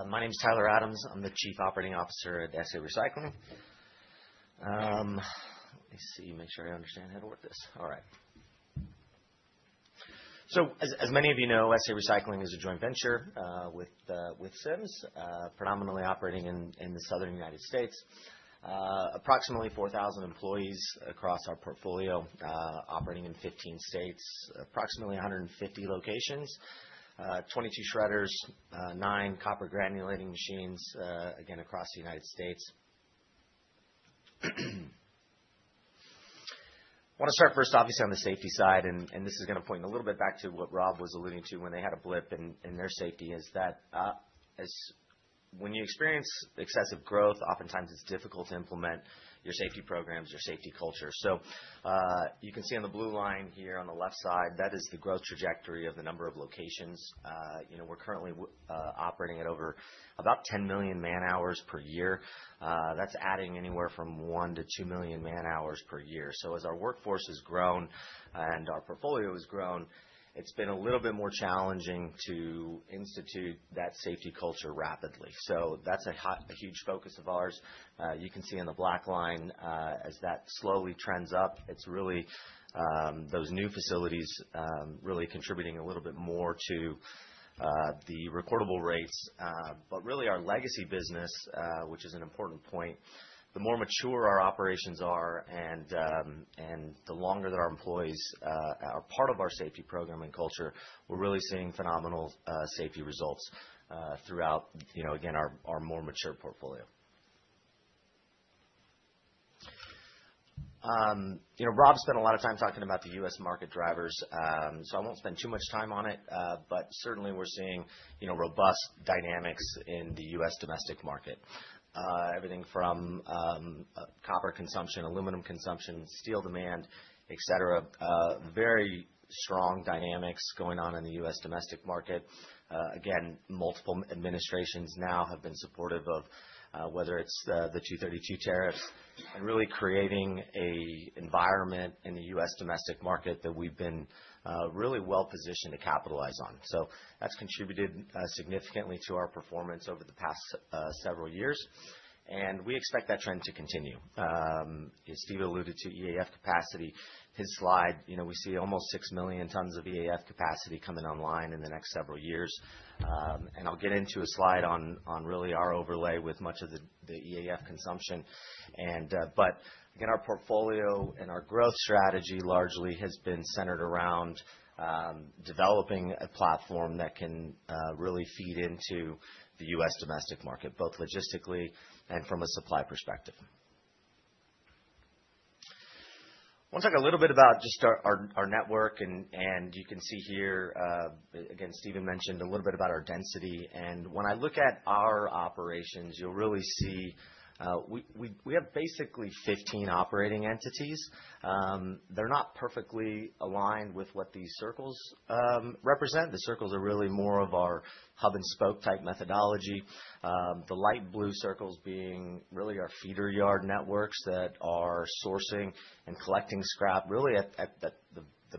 My name's Tyler Adams. I'm the Chief Operating Officer at SA Recycling. Let me see, make sure I understand how to work this. All right. As many of you know, SA Recycling is a joint venture with Sims, predominantly operating in the Southern United States. Approximately 4,000 employees across our portfolio, operating in 15 states. Approximately 150 locations. 22 shredders, 9 copper granulating machines, again, across the United States. Want to start first obviously on the safety side, and this is gonna point a little bit back to what Rob was alluding to when they had a blip in their safety is that when you experience excessive growth, oftentimes it's difficult to implement your safety programs, your safety culture. You can see on the blue line here on the left side, that is the growth trajectory of the number of locations. You know, we're currently operating at over about 10 million man-hours per year. That's adding anywhere from 1-2 million man-hours per year. So as our workforce has grown and our portfolio has grown, it's been a little bit more challenging to institute that safety culture rapidly. That's a huge focus of ours. You can see on the black line, as that slowly trends up, it's really those new facilities really contributing a little bit more to the recordable rates. Really our legacy business, which is an important point, the more mature our operations are and the longer that our employees are part of our safety program and culture, we're really seeing phenomenal safety results throughout, you know, again, our more mature portfolio. You know, Rob spent a lot of time talking about the U.S. market drivers, I won't spend too much time on it. Certainly we're seeing, you know, robust dynamics in the U.S. domestic market. Everything from copper consumption, aluminum consumption, steel demand, et cetera, very strong dynamics going on in the U.S. domestic market. Again, multiple administrations now have been supportive of whether it's the Section 232 tariffs and really creating an environment in the U.S. domestic market that we've been really well positioned to capitalize on. That's contributed significantly to our performance over the past several years, and we expect that trend to continue. As Steve alluded to EAF capacity, his slide, you know, we see almost 6 million tons of EAF capacity coming online in the next several years. I'll get into a slide on really our overlay with much of the EAF consumption. Again, our portfolio and our growth strategy largely has been centered around developing a platform that can really feed into the U.S. domestic market, both logistically and from a supply perspective. I wanna talk a little bit about just our network and you can see here, again, Steven mentioned a little bit about our density. When I look at our operations, you'll really see we have basically 15 operating entities. They're not perfectly aligned with what these circles represent. The circles are really more of our hub and spoke type methodology. The light blue circles being really our feeder yard networks that are sourcing and collecting scrap really at the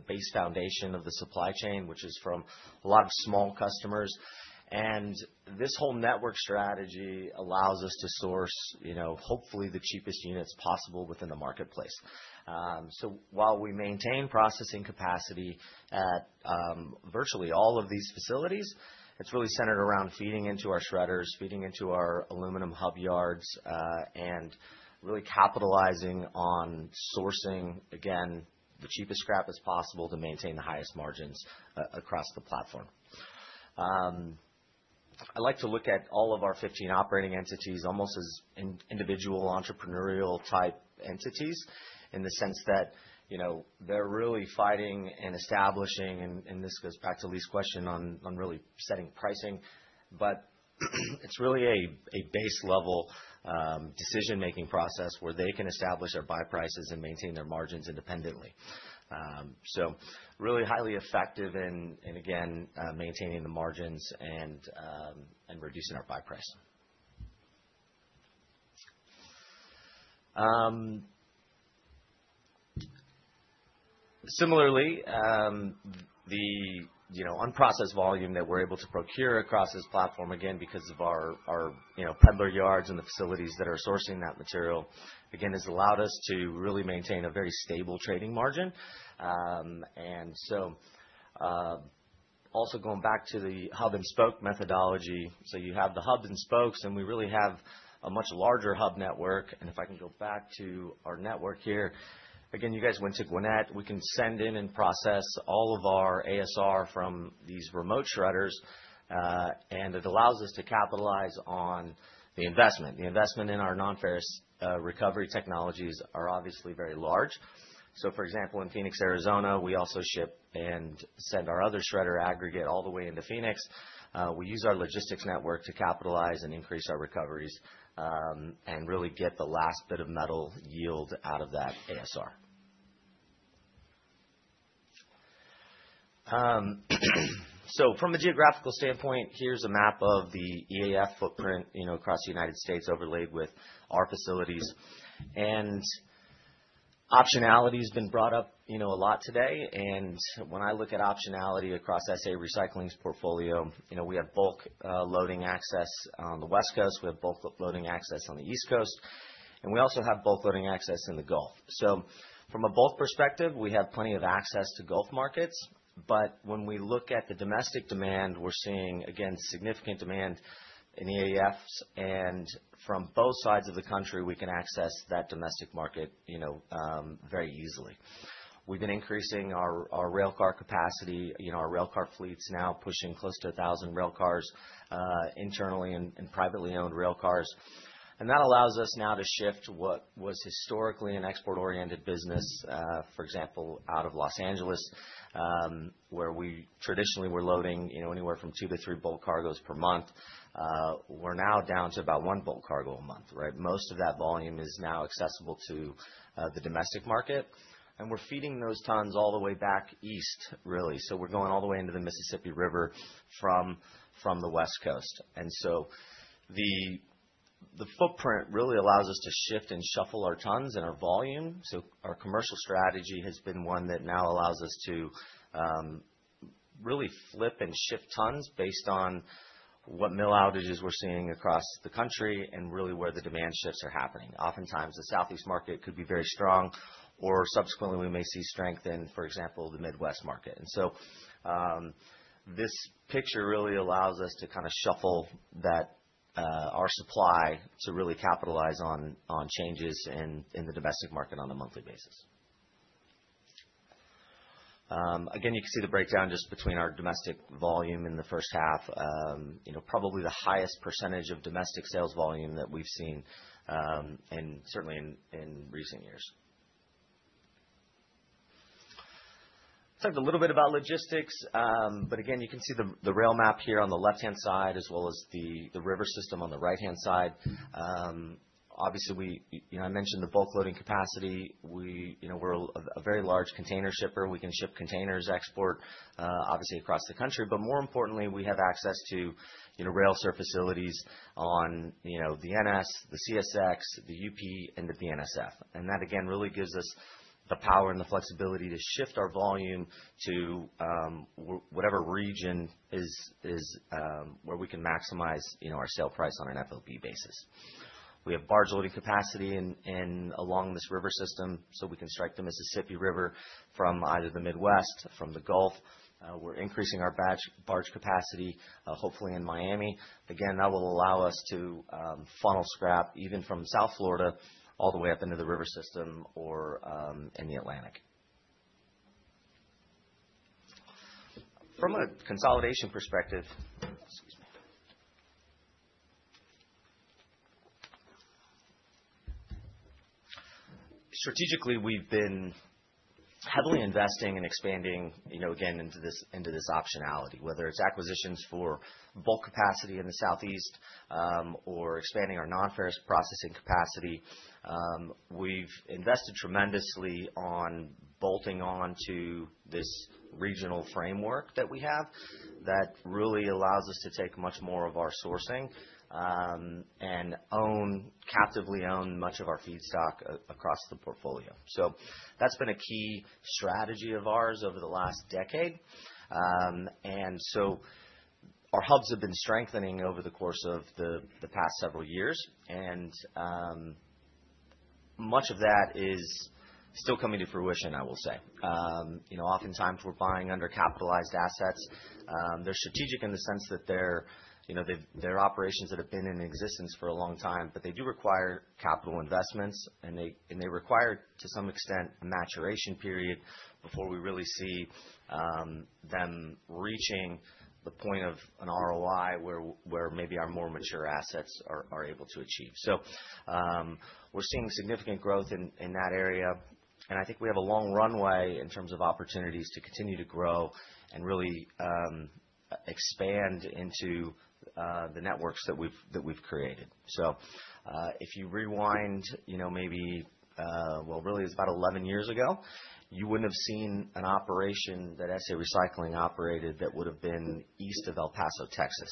base foundation of the supply chain, which is from a lot of small customers. This whole network strategy allows us to source, you know, hopefully the cheapest units possible within the marketplace. While we maintain processing capacity at virtually all of these facilities, it's really centered around feeding into our shredders, feeding into our aluminum hub yards, and really capitalizing on sourcing, again, the cheapest scrap as possible to maintain the highest margins across the platform. I like to look at all of our 15 operating entities almost as individual entrepreneurial type entities in the sense that, you know, they're really fighting and establishing, and this goes back to Lee's question on really setting pricing, but it's really a base level decision-making process where they can establish their buy prices and maintain their margins independently. Really highly effective in again maintaining the margins and reducing our buy price. Similarly, you know, the unprocessed volume that we're able to procure across this platform, again, because of our, you know, peddler yards and the facilities that are sourcing that material, again, has allowed us to really maintain a very stable trading margin. Also going back to the hub and spoke methodology, you have the hubs and spokes, and we really have a much larger hub network. If I can go back to our network here. Again, you guys went to Gwinnett. We can send in and process all of our ASR from these remote shredders, and it allows us to capitalize on the investment. The investment in our non-ferrous recovery technologies are obviously very large. For example, in Phoenix, Arizona, we also ship and send our other shredder aggregate all the way into Phoenix. We use our logistics network to capitalize and increase our recoveries, and really get the last bit of metal yield out of that ASR. From a geographical standpoint, here's a map of the EAF footprint, you know, across the United States overlaid with our facilities. Optionality has been brought up, you know, a lot today. When I look at optionality across SA Recycling's portfolio, you know, we have bulk loading access on the West Coast, we have bulk loading access on the East Coast, and we also have bulk loading access in the Gulf. From a bulk perspective, we have plenty of access to Gulf markets. When we look at the domestic demand, we're seeing, again, significant demand in EAFs. From both sides of the country, we can access that domestic market, you know, very easily. We've been increasing our rail car capacity. You know, our rail car fleet's now pushing close to 1,000 rail cars, internally and privately owned rail cars. That allows us now to shift what was historically an export-oriented business, for example, out of Los Angeles, where we traditionally were loading, you know, anywhere from two to three bulk cargoes per month, we're now down to about one bulk cargo a month, right? Most of that volume is now accessible to the domestic market, and we're feeding those tons all the way back east, really. We're going all the way into the Mississippi River from the West Coast. The footprint really allows us to shift and shuffle our tons and our volume. Our commercial strategy has been one that now allows us to really flip and shift tons based on what mill outages we're seeing across the country and really where the demand shifts are happening. Oftentimes, the Southeast market could be very strong, or subsequently we may see strength in, for example, the Midwest market. This picture really allows us to kinda shuffle that our supply to really capitalize on changes in the domestic market on a monthly basis. Again, you can see the breakdown just between our domestic volume in the first half, you know, probably the highest percentage of domestic sales volume that we've seen, certainly in recent years. Talked a little bit about logistics, but again, you can see the rail map here on the left-hand side as well as the river system on the right-hand side. Obviously, you know, I mentioned the bulk loading capacity. You know, we're a very large container shipper. We can ship containers export, obviously across the country, but more importantly, we have access to rail service facilities on the NS, the CSX, the UP, and the BNSF. That, again, really gives us the power and the flexibility to shift our volume to whatever region is where we can maximize our sale price on an FOB basis. We have barge loading capacity in along this river system, so we can ship to the Mississippi River from either the Midwest or from the Gulf. We're increasing our barge capacity, hopefully in Miami. Again, that will allow us to funnel scrap even from South Florida all the way up into the river system or in the Atlantic. From a consolidation perspective. Excuse me. Strategically, we've been heavily investing and expanding, you know, again, into this optionality, whether it's acquisitions for bulk capacity in the Southeast, or expanding our non-ferrous processing capacity. We've invested tremendously on bolting on to this regional framework that we have that really allows us to take much more of our sourcing, and captively own much of our feedstock across the portfolio. That's been a key strategy of ours over the last decade. Our hubs have been strengthening over the course of the past several years. Much of that is still coming to fruition, I will say. You know, oftentimes we're buying undercapitalized assets. They're strategic in the sense that they're, you know, they're operations that have been in existence for a long time, but they do require capital investments, and they require, to some extent, a maturation period before we really see them reaching the point of an ROI where maybe our more mature assets are able to achieve. We're seeing significant growth in that area, and I think we have a long runway in terms of opportunities to continue to grow and really expand into the networks that we've created. If you rewind, you know, maybe, well, really it's about 11 years ago, you wouldn't have seen an operation that SA Recycling operated that would have been east of El Paso, Texas.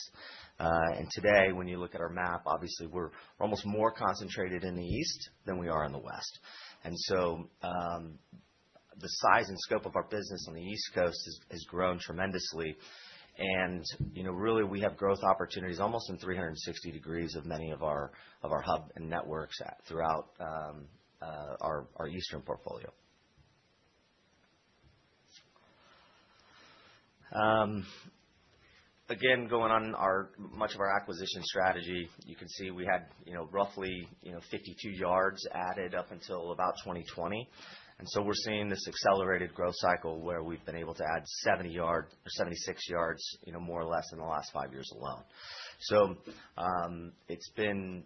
Today, when you look at our map, obviously, we're almost more concentrated in the east than we are in the west. The size and scope of our business on the East Coast has grown tremendously. You know, really, we have growth opportunities almost in 360 degrees of many of our hub and networks throughout our eastern portfolio. Again, much of our acquisition strategy, you can see we had, you know, roughly, you know, 52 yards added up until about 2020. We're seeing this accelerated growth cycle where we've been able to add 76 yards, you know, more or less in the last five years alone. It's been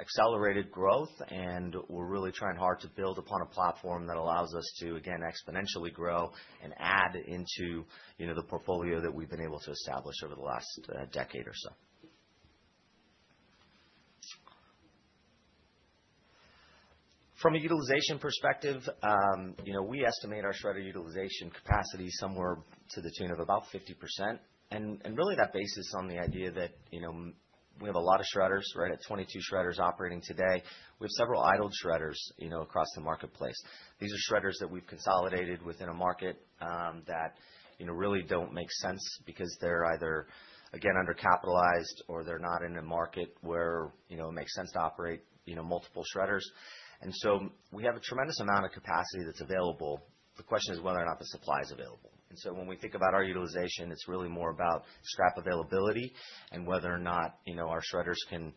accelerated growth, and we're really trying hard to build upon a platform that allows us to, again, exponentially grow and add into, you know, the portfolio that we've been able to establish over the last decade or so. From a utilization perspective, you know, we estimate our shredder utilization capacity somewhere to the tune of about 50%. Really that's based on the idea that, you know, we have a lot of shredders, right? At 22 shredders operating today. We have several idled shredders, you know, across the marketplace. These are shredders that we've consolidated within a market that, you know, really don't make sense because they're either, again, undercapitalized or they're not in a market where, you know, it makes sense to operate, you know, multiple shredders. We have a tremendous amount of capacity that's available. The question is whether or not the supply is available. When we think about our utilization, it's really more about scrap availability and whether or not, you know, our shredders can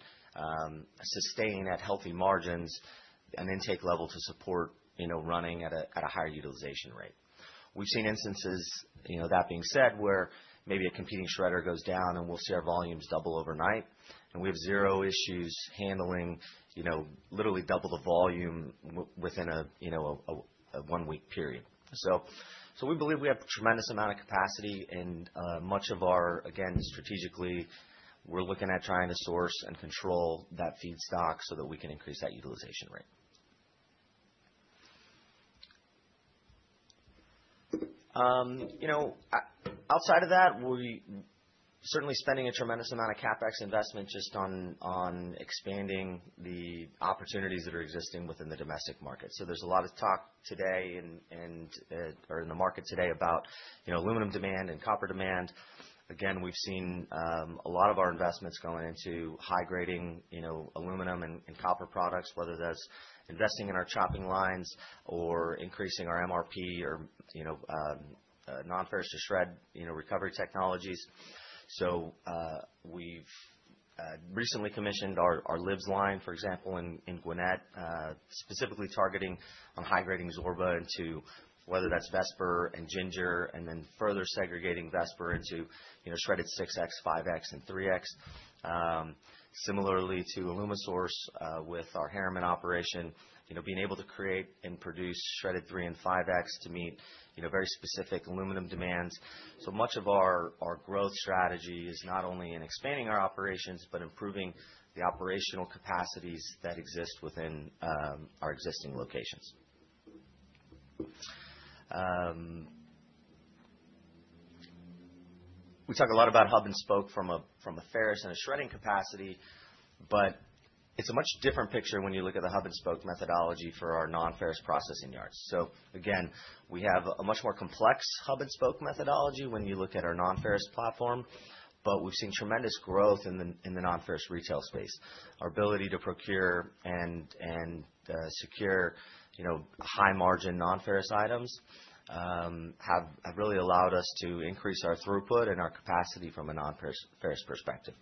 sustain at healthy margins an intake level to support, you know, running at a higher utilization rate. We've seen instances, you know, that being said, where maybe a competing shredder goes down, and we'll see our volumes double overnight, and we have zero issues handling, you know, literally double the volume within a one-week period. We believe we have a tremendous amount of capacity and much of our, again, strategically, we're looking at trying to source and control that feedstock so that we can increase that utilization rate. You know, outside of that, we certainly spending a tremendous amount of CapEx investment just on expanding the opportunities that are existing within the domestic market. There's a lot of talk today and or in the market today about, you know, aluminum demand and copper demand. Again, we've seen a lot of our investments going into high-grading, you know, aluminum and copper products, whether that's investing in our chopping lines or increasing our MRP or non-ferrous shred recovery technologies. We've recently commissioned our LIBS line, for example, in Gwinnett, specifically targeting on high-grading Zorba into whether that's Vesper and ginger, and then further segregating Vesper into, you know, shredded six X, five X, and three X. Similarly to Alumisource, with our Harriman operation, you know, being able to create and produce shredded three and five X to meet, you know, very specific aluminum demands. Much of our growth strategy is not only in expanding our operations, but improving the operational capacities that exist within our existing locations. We talk a lot about hub and spoke from a ferrous and a shredding capacity, but it's a much different picture when you look at the hub and spoke methodology for our non-ferrous processing yards. Again, we have a much more complex hub and spoke methodology when you look at our non-ferrous platform, but we've seen tremendous growth in the non-ferrous retail space. Our ability to procure and secure, you know, high-margin non-ferrous items have really allowed us to increase our throughput and our capacity from a non-ferrous, ferrous perspective.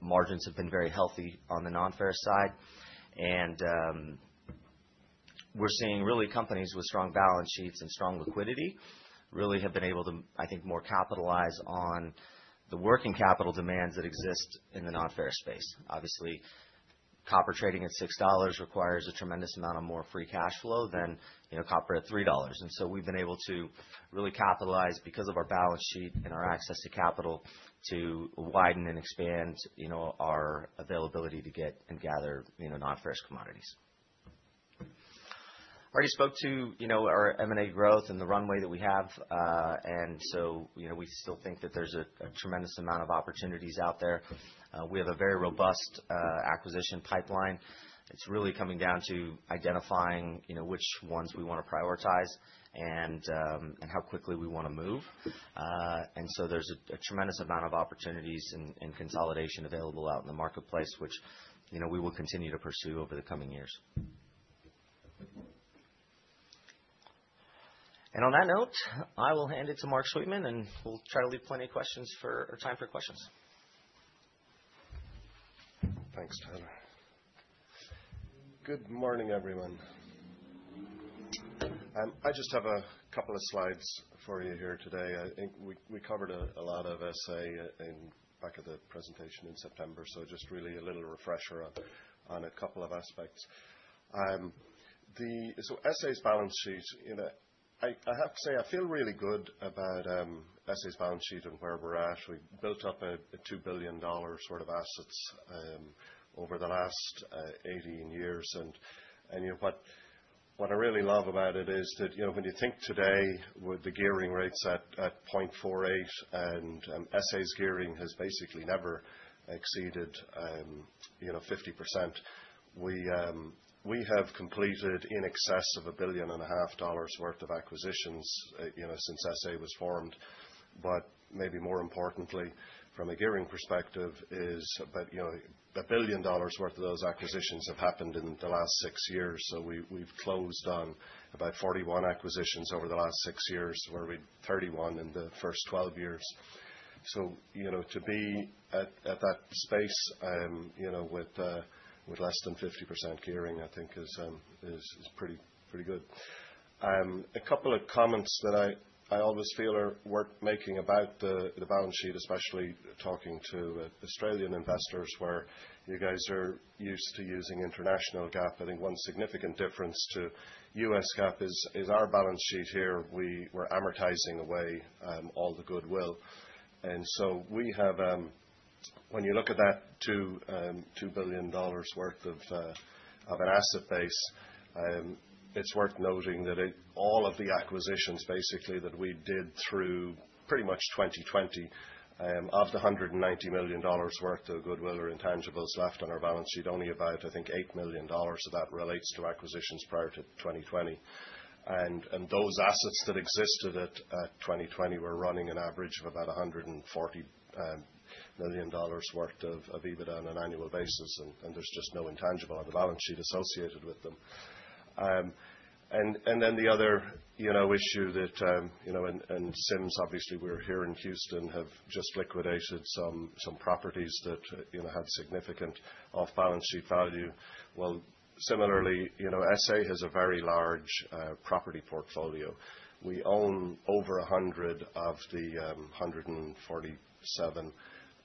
Margins have been very healthy on the non-ferrous side, and we're seeing really companies with strong balance sheets and strong liquidity really have been able to, I think, more capitalize on the working capital demands that exist in the non-ferrous space. Obviously, copper trading at $6 requires a tremendous amount of more free cash flow than, you know, copper at $3. We've been able to really capitalize because of our balance sheet and our access to capital to widen and expand, you know, our availability to get and gather, you know, non-ferrous commodities. I already spoke to, you know, our M&A growth and the runway that we have. You know, we still think that there's a tremendous amount of opportunities out there. We have a very robust acquisition pipeline. It's really coming down to identifying, you know, which ones we wanna prioritize and how quickly we wanna move. There's a tremendous amount of opportunities and consolidation available out in the marketplace, which, you know, we will continue to pursue over the coming years. On that note, I will hand it to Mark Sweetman, and we'll try to leave plenty of time for questions.
Thanks, Tyler. Good morning, everyone. I just have a couple of slides for you here today. I think we covered a lot of SA in the back of the presentation in September, so just really a little refresher on a couple of aspects. SA's balance sheet, you know, I have to say I feel really good about SA's balance sheet and where we're at. We've built up a $2 billion sort of assets over the last 18 years. You know what I really love about it is that, you know, when you think today with the gearing rates at 0.48 and SA's gearing has basically never exceeded, you know, 50%, we have completed in excess of $1.5 billion worth of acquisitions, you know, since SA was formed. But maybe more importantly from a gearing perspective is about, you know, $1 billion worth of those acquisitions have happened in the last six years. We've closed on about 41 acquisitions over the last six years, where we had 31 in the first 12 years. You know, to be at that pace, you know, with less than 50% gearing, I think is pretty good. A couple of comments that I always feel are worth making about the balance sheet, especially talking to Australian investors, where you guys are used to using international GAAP. I think one significant difference to US GAAP is our balance sheet here. We're amortizing away all the goodwill. We have, when you look at that 2 billion dollars worth of an asset base, it's worth noting that all of the acquisitions basically that we did through pretty much 2020 of the 190 million dollars worth of goodwill or intangibles left on our balance sheet, only about, I think, 8 million dollars of that relates to acquisitions prior to 2020. Those assets that existed at 2020 were running an average of about $140 million worth of EBITDA on an annual basis, and there's just no intangible on the balance sheet associated with them. The other, you know, issue that, you know, and Sims obviously we're here in Houston have just liquidated some properties that, you know, have significant off balance sheet value. Well, similarly, you know, SA has a very large property portfolio. We own over 100 of the 147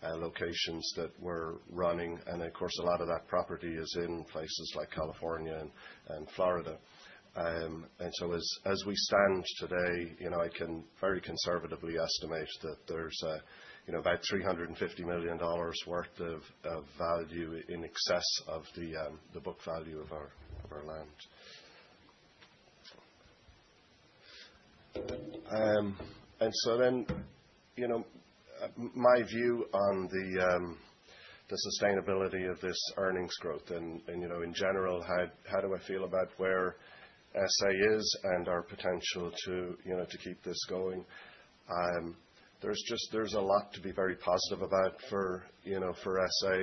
locations that we're running. Of course, a lot of that property is in places like California and Florida. As we stand today, you know, I can very conservatively estimate that there's, you know, about $350 million worth of value in excess of the book value of our land. My view on the sustainability of this earnings growth and, you know, in general, how do I feel about where SA is and our potential to, you know, to keep this going? There's just a lot to be very positive about for SA.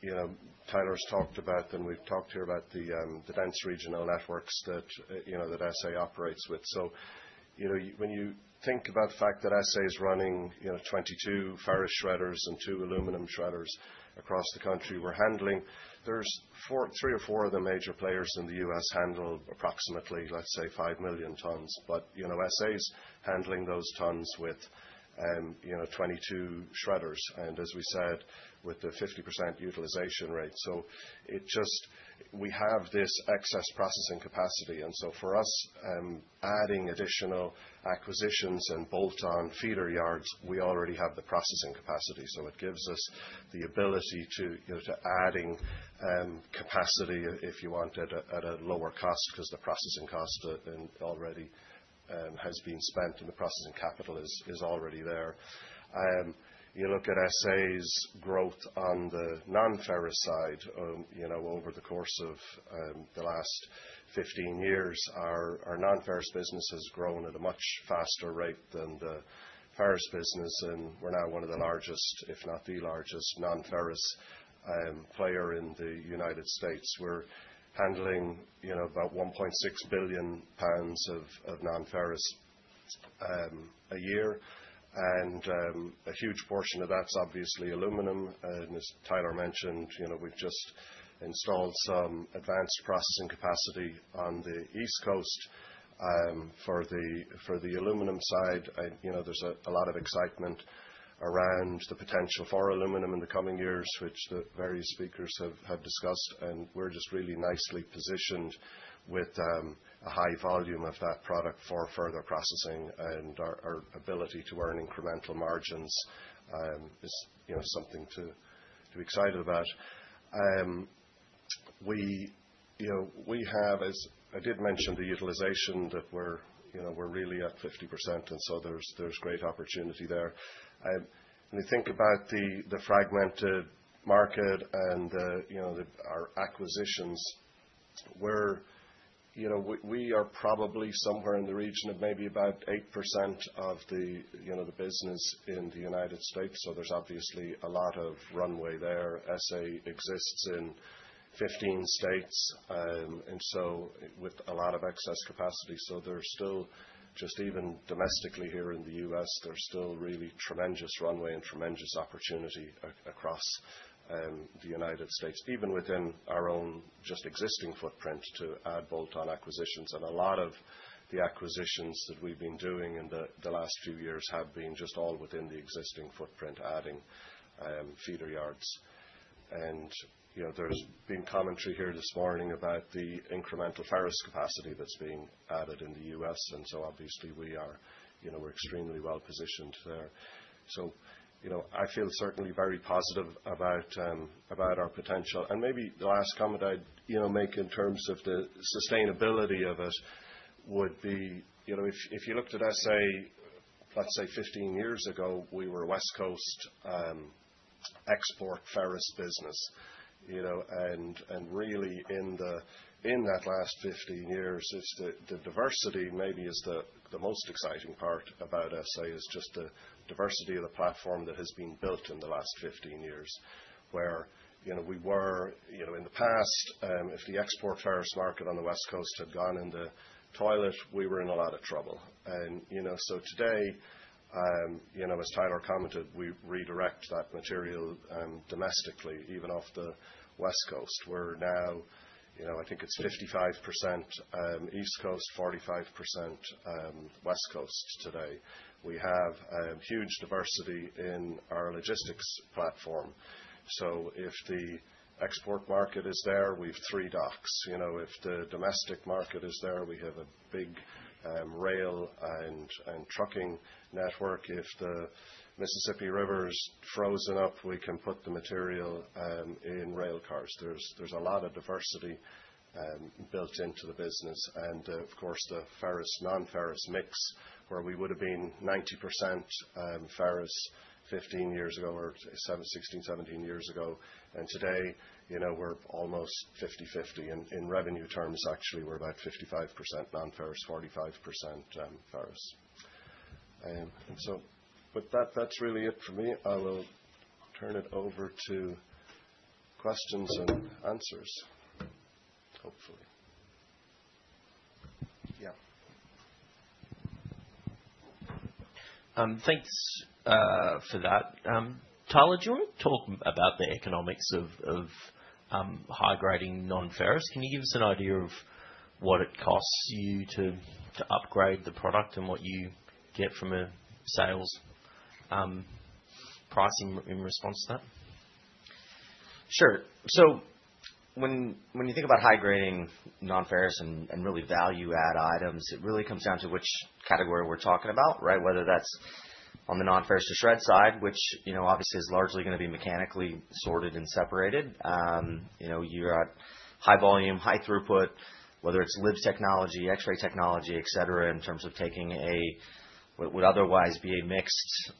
You know, Tyler's talked about, and we've talked here about the dense regional networks that SA operates with. You know, when you think about the fact that SA is running 22 ferrous shredders and two aluminum shredders across the country. There are three or four other major players in the U.S. handle approximately, let's say, 5 million tons. You know, SA is handling those tons with 22 shredders, and as we said, with the 50% utilization rate. We have this excess processing capacity. For us, adding additional acquisitions and bolt-on feeder yards, we already have the processing capacity. It gives us the ability to, you know, to adding capacity if you want at a lower cost because the processing cost has already been spent and the processing capital is already there. You look at SA's growth on the non-ferrous side, you know, over the course of the last 15 years, our non-ferrous business has grown at a much faster rate than the ferrous business. We're now one of the largest, if not the largest, non-ferrous player in the United States. We're handling, you know, about 1.6 billion pounds of non-ferrous a year. A huge portion of that's obviously aluminum. As Tyler mentioned, you know, we've just installed some advanced processing capacity on the East Coast for the aluminum side. You know, there's a lot of excitement around the potential for aluminum in the coming years, which the various speakers have discussed, and we're just really nicely positioned with a high volume of that product for further processing. Our ability to earn incremental margins is, you know, something to be excited about. We, you know, have, as I did mention, the utilization that we're, you know, really at 50%, and so there's great opportunity there. When you think about the fragmented market and, you know, our acquisitions, we are probably somewhere in the region of maybe about 8% of the business in the United States. There's obviously a lot of runway there. SA exists in 15 states with a lot of excess capacity. There's still, just even domestically here in the U.S., really tremendous runway and tremendous opportunity across the United States, even within our own just existing footprint to add bolt-on acquisitions. A lot of the acquisitions that we've been doing in the last few years have been just all within the existing footprint, adding feeder yards. You know, there's been commentary here this morning about the incremental ferrous capacity that's being added in the U.S. Obviously, you know, we're extremely well positioned there. You know, I feel certainly very positive about our potential. Maybe the last comment I'd, you know, make in terms of the sustainability of it would be, you know, if you looked at SA, let's say 15 years ago, we were a West Coast export ferrous business. You know, really in that last 15 years, it's the diversity maybe is the most exciting part about SA, is just the diversity of the platform that has been built in the last 15 years. Where you know, we were you know, in the past, if the export ferrous market on the West Coast had gone in the toilet, we were in a lot of trouble. You know, today, as Tyler commented, we redirect that material domestically, even off the West Coast. We're now you know, I think it's 55% East Coast, 45% West Coast today. We have a huge diversity in our logistics platform. If the export market is there, we have three docks. You know, if the domestic market is there, we have a big rail and trucking network. If the Mississippi River is frozen up, we can put the material in rail cars. There's a lot of diversity built into the business. Of course, the ferrous, non-ferrous mix, where we would have been 90% ferrous 15 years ago, or seven, 16, 17 years ago. Today, you know, we're almost 50/50. In revenue terms, actually, we're about 55% non-ferrous, 45% ferrous. With that's really it for me. I will turn it over to questions and answers, hopefully. Yeah.
Thanks for that. Tyler, do you wanna talk about the economics of high-grading nonferrous? Can you give us an idea of what it costs you to upgrade the product and what you get from a sales pricing in response to that?
Sure. When you think about high-grading non-ferrous and really value-add items, it really comes down to which category we're talking about, right? Whether that's on the non-ferrous to shred side, which, you know, obviously is largely gonna be mechanically sorted and separated. You know, you're at high volume, high throughput, whether it's LIBS technology, X-ray technology, et cetera, in terms of taking a what would otherwise be a mixed,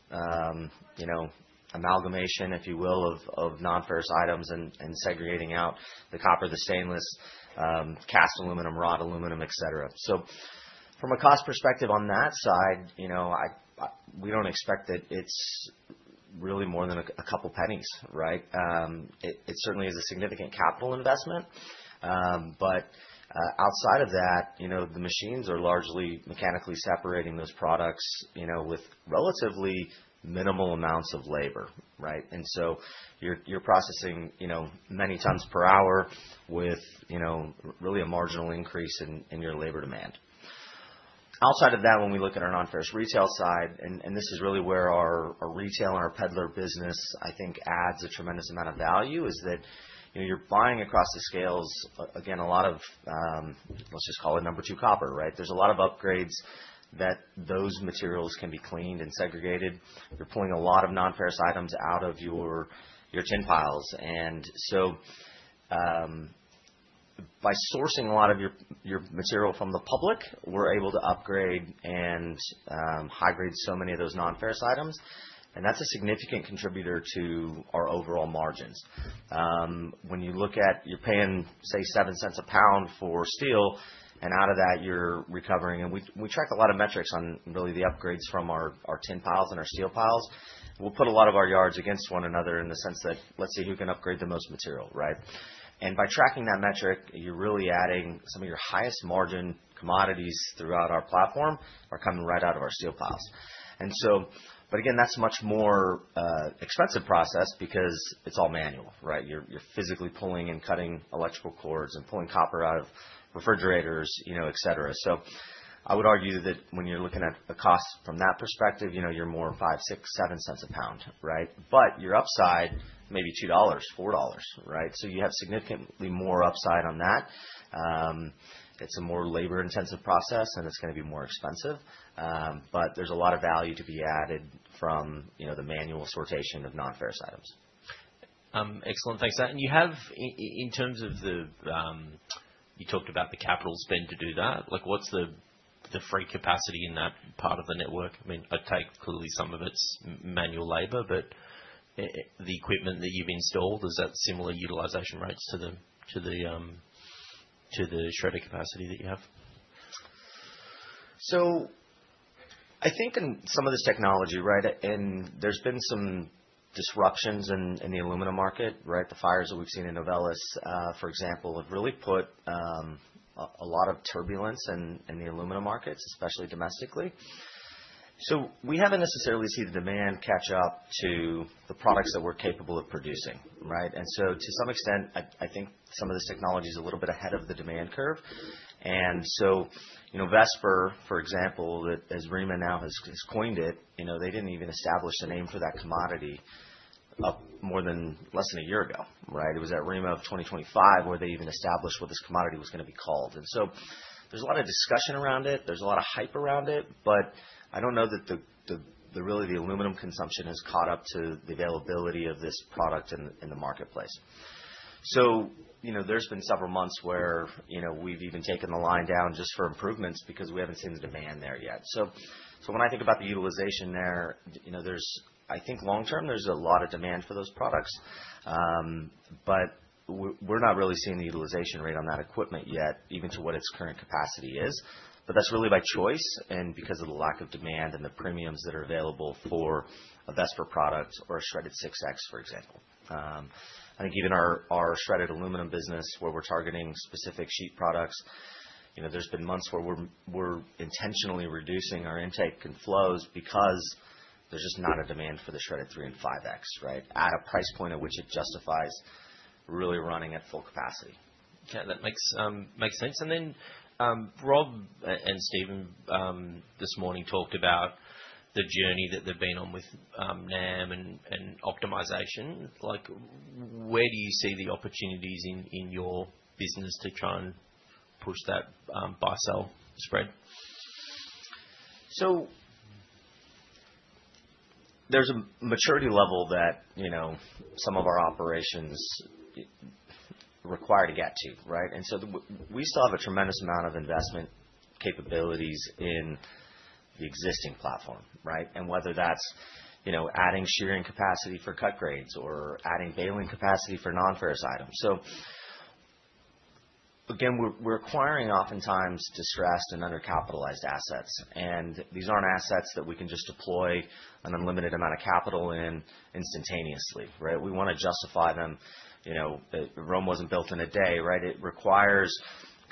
you know, amalgamation, if you will, of non-ferrous items and segregating out the copper, the stainless, cast aluminum, rod aluminum, et cetera. From a cost perspective on that side, you know, we don't expect that it's really more than a couple pennies, right? It certainly is a significant capital investment. Outside of that, you know, the machines are largely mechanically separating those products, you know, with relatively minimal amounts of labor, right? You're processing, you know, many tons per hour with, you know, really a marginal increase in your labor demand. Outside of that, when we look at our non-ferrous retail side, this is really where our retail and our peddler business, I think, adds a tremendous amount of value, is that, you know, you're buying across the scales again, a lot of, let's just call it number two copper, right? There's a lot of upgrades that those materials can be cleaned and segregated. You're pulling a lot of non-ferrous items out of your tin piles. By sourcing a lot of your material from the public, we're able to upgrade and high-grade so many of those non-ferrous items, and that's a significant contributor to our overall margins. When you look at you're paying, say, $0.07 a pound for steel, and out of that you're recovering. We track a lot of metrics on really the upgrades from our tin piles and our steel piles. We'll put a lot of our yards against one another in the sense that, let's see who can upgrade the most material, right? By tracking that metric, you're really adding some of your highest margin commodities throughout our platform are coming right out of our steel piles. But again, that's much more expensive process because it's all manual, right? You're physically pulling and cutting electrical cords and pulling copper out of refrigerators, you know, et cetera. I would argue that when you're looking at the cost from that perspective, you know, you're more $0.05, $0.06, $0.07 a pound, right? Your upside may be $2, $4, right? You have significantly more upside on that. It's a more labor-intensive process, and it's gonna be more expensive. There's a lot of value to be added from, you know, the manual sortation of non-ferrous items.
Excellent. Thanks. You have in terms of the. You talked about the capital spend to do that. Like, what's the free capacity in that part of the network? I mean, I take it clearly some of it's manual labor, but the equipment that you've installed, is that similar utilization rates to the shredder capacity that you have?
I think in some of this technology, right, and there's been some disruptions in the aluminum market, right? The fires that we've seen in Novelis, for example, have really put a lot of turbulence in the aluminum markets, especially domestically. We haven't necessarily seen the demand catch up to the products that we're capable of producing, right? You know, Vesper, for example, that ReMA now has coined, you know, they didn't even establish the name for that commodity until less than a year ago, right? It was at ReMA 2025, where they even established what this commodity was gonna be called. There's a lot of discussion around it. There's a lot of hype around it, but I don't know that really the aluminum consumption has caught up to the availability of this product in the marketplace. You know, there's been several months where, you know, we've even taken the line down just for improvements because we haven't seen the demand there yet. When I think about the utilization there, you know. I think long term, there's a lot of demand for those products. We're not really seeing the utilization rate on that equipment yet, even to what its current capacity is. That's really by choice and because of the lack of demand and the premiums that are available for a Vesper product or a shredded six X, for example. I think even our shredded aluminum business where we're targeting specific sheet products, you know, there's been months where we're intentionally reducing our intake and flows because there's just not a demand for the shredded 3X and 5X, right? At a price point at which it justifies really running at full capacity.
Okay. That makes sense. Rob and Stephen this morning talked about the journey that they've been on with NAM and optimization. Like, where do you see the opportunities in your business to try and push that buy-sell spread?
There's a maturity level that, you know, some of our operations require to get to, right? We still have a tremendous amount of investment capabilities in the existing platform, right? And whether that's, you know, adding shearing capacity for cut grades or adding baling capacity for nonferrous items. Again, we're acquiring oftentimes distressed and undercapitalized assets, and these aren't assets that we can just deploy an unlimited amount of capital in instantaneously, right? We wanna justify them. You know, Rome wasn't built in a day, right? It requires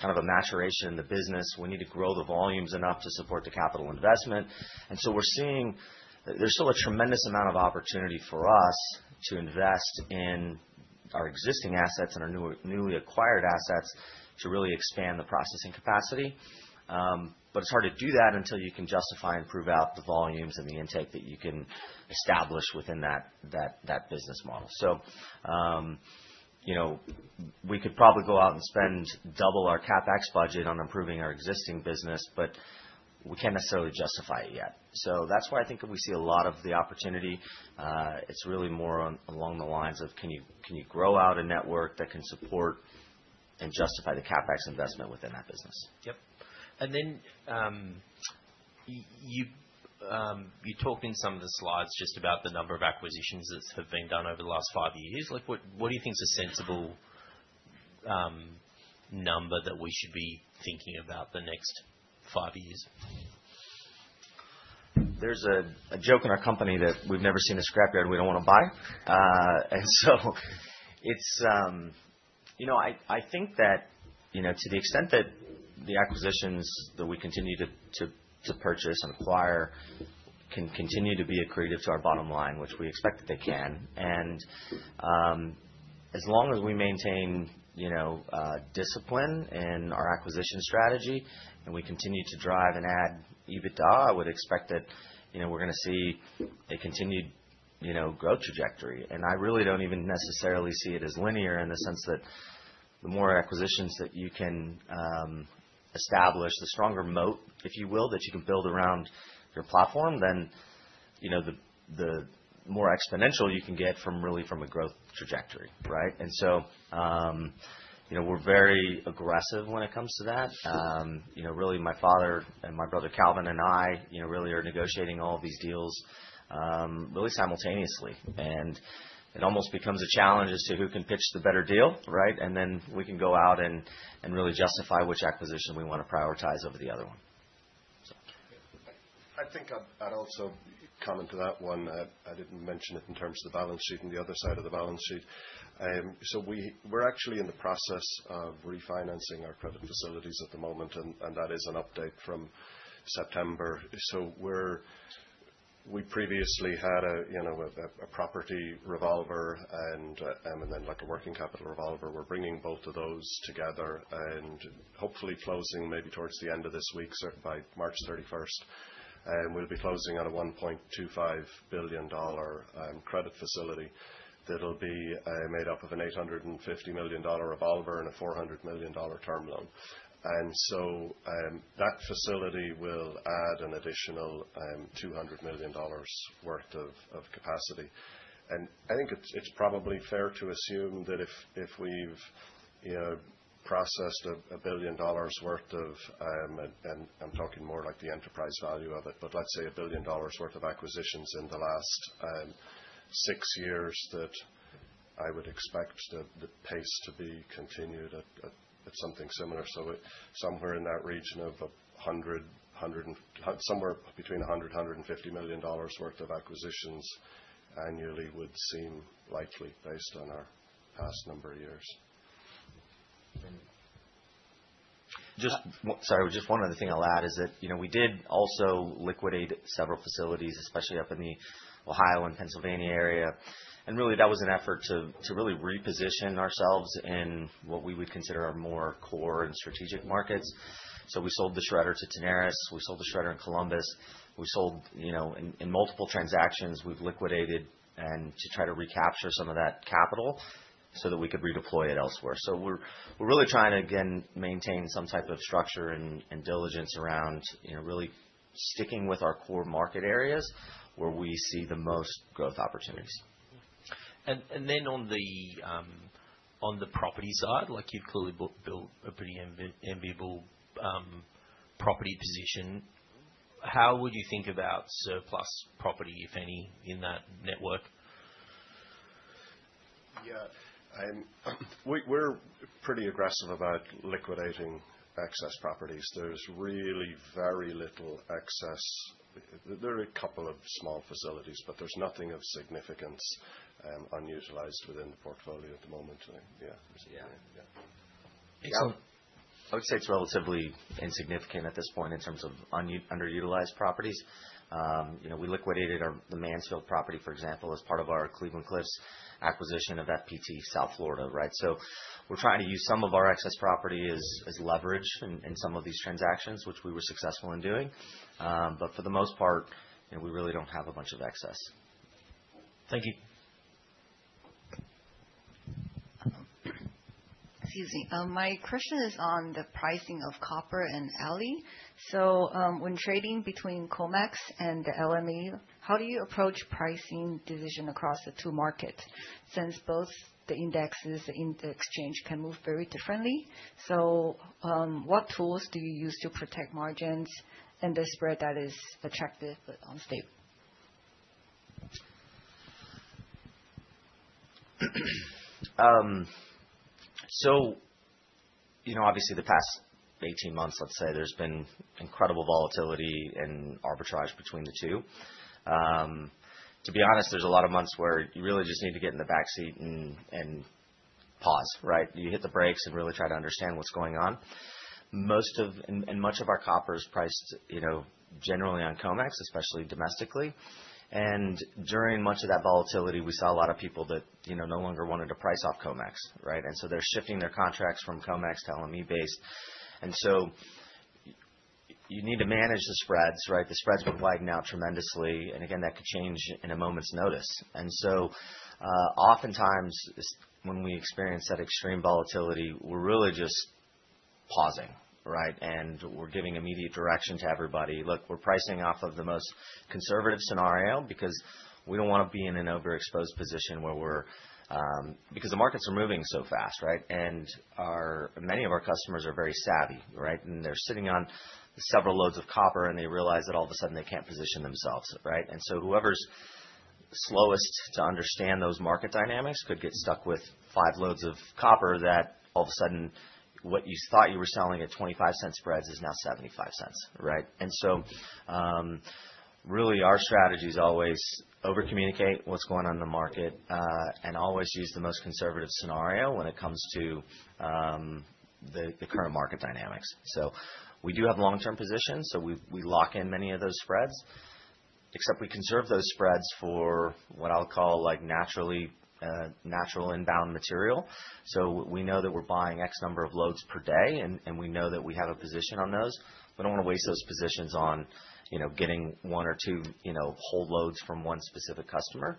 kind of a maturation in the business. We need to grow the volumes enough to support the capital investment. We're seeing there's still a tremendous amount of opportunity for us to invest in our existing assets and our newly acquired assets to really expand the processing capacity. It's hard to do that until you can justify and prove out the volumes and the intake that you can establish within that business model. You know, we could probably go out and spend double our CapEx budget on improving our existing business, but we can't necessarily justify it yet. That's why I think that we see a lot of the opportunity. It's really more on along the lines of can you grow out a network that can support and justify the CapEx investment within that business.
Yep. You talked in some of the slides just about the number of acquisitions that have been done over the last five years. Like, what do you think is a sensible number that we should be thinking about the next five years?
There's a joke in our company that we've never seen a scrap yard we don't wanna buy. You know, I think that, you know, to the extent that the acquisitions that we continue to purchase and acquire can continue to be accretive to our bottom line, which we expect that they can. As long as we maintain, you know, discipline in our acquisition strategy and we continue to drive and add EBITDA, I would expect that, you know, we're gonna see a continued, you know, growth trajectory. I really don't even necessarily see it as linear in the sense that the more acquisitions that you can establish, the stronger moat, if you will, that you can build around your platform, then you know, the more exponential you can get from really a growth trajectory, right? You know, we're very aggressive when it comes to that. You know, really my father and my brother Calvin and I, you know, really are negotiating all of these deals, really simultaneously. It almost becomes a challenge as to who can pitch the better deal, right? Then we can go out and really justify which acquisition we wanna prioritize over the other one.
I think I'd also comment to that one. I didn't mention it in terms of the balance sheet and the other side of the balance sheet. We're actually in the process of refinancing our credit facilities at the moment, and that is an update from September. We previously had a you know a property revolver and then like a working capital revolver. We're bringing both of those together and hopefully closing maybe towards the end of this week, so by March 31st. We'll be closing on a 1.25 billion dollar credit facility that'll be made up of a 850 million dollar revolver and a 400 million dollar term loan. That facility will add an additional 200 million dollars worth of capacity. I think it's probably fair to assume that if we've you know processed $1 billion worth of, and I'm talking more like the enterprise value of it, but let's say $1 billion worth of acquisitions in the last six years, that I would expect the pace to be continued at something similar. Somewhere in that region of $100 million-$150 million worth of acquisitions annually would seem likely based on our past number of years.
And-
Sorry. Just one other thing I'll add is that, you know, we did also liquidate several facilities, especially up in the Ohio and Pennsylvania area. Really that was an effort to really reposition ourselves in what we would consider our more core and strategic markets. We sold the shredder to Tenaris. We sold the shredder in Columbus. We sold, you know, in multiple transactions, we've liquidated and to try to recapture some of that capital so that we could redeploy it elsewhere. We're really trying to again, maintain some type of structure and diligence around, you know, really sticking with our core market areas where we see the most growth opportunities.
On the property side, like you've clearly built a pretty enviable property position. How would you think about surplus property, if any, in that network?
Yeah. We're pretty aggressive about liquidating excess properties. There's really very little excess. There are a couple of small facilities, but there's nothing of significance, unutilized within the portfolio at the moment. Yeah.
Yeah.
Yeah.
Excellent.
I would say it's relatively insignificant at this point in terms of underutilized properties. You know, we liquidated our the Mansfield property, for example, as part of our Cleveland-Cliffs acquisition of FPT South Florida, right? We're trying to use some of our excess property as leverage in some of these transactions, which we were successful in doing. For the most part, you know, we really don't have a bunch of excess.
Thank you.
Excuse me. My question is on the pricing of copper and aluminum. When trading between COMEX and the LME, how do you approach pricing division across the two markets since both the indexes in the exchange can move very differently? What tools do you use to protect margins and the spread that is attractive but unstable?
You know, obviously the past 18 months, let's say, there's been incredible volatility and arbitrage between the two. To be honest, there's a lot of months where you really just need to get in the back seat and pause, right? You hit the brakes and really try to understand what's going on. Much of our copper is priced, you know, generally on COMEX, especially domestically. During much of that volatility, we saw a lot of people that, you know, no longer wanted to price off COMEX, right? They're shifting their contracts from COMEX to LME-based. You need to manage the spreads, right? The spreads have widened out tremendously, and again, that could change in a moment's notice. Oftentimes, when we experience that extreme volatility, we're really just pausing, right? We're giving immediate direction to everybody. Look, we're pricing off of the most conservative scenario because we don't wanna be in an overexposed position where we're because the markets are moving so fast, right? Many of our customers are very savvy, right? They're sitting on several loads of copper, and they realize that all of a sudden they can't position themselves, right? Whoever's slowest to understand those market dynamics could get stuck with 5 loads of copper that all of a sudden, what you thought you were selling at $0.25 spreads is now $0.75, right? Really our strategy is always over communicate what's going on in the market and always use the most conservative scenario when it comes to the current market dynamics. We do have long-term positions, so we lock in many of those spreads. Except we conserve those spreads for what I'll call, like, naturally, natural inbound material. We know that we're buying X number of loads per day, and we know that we have a position on those. We don't wanna waste those positions on, you know, getting one or two, you know, whole loads from one specific customer.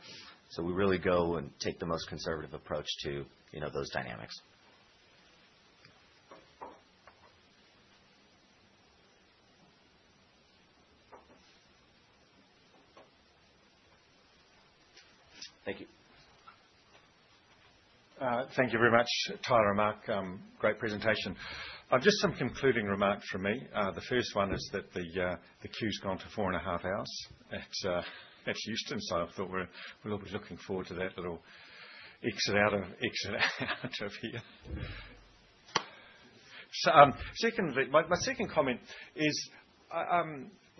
We really go and take the most conservative approach to, you know, those dynamics. Thank you.
Thank you very much, Tyler and Mark. Great presentation. Just some concluding remarks from me. The first one is that the queue's gone to four and a half hours at Houston, so I thought we're all looking forward to that little exit out of here. My second comment is,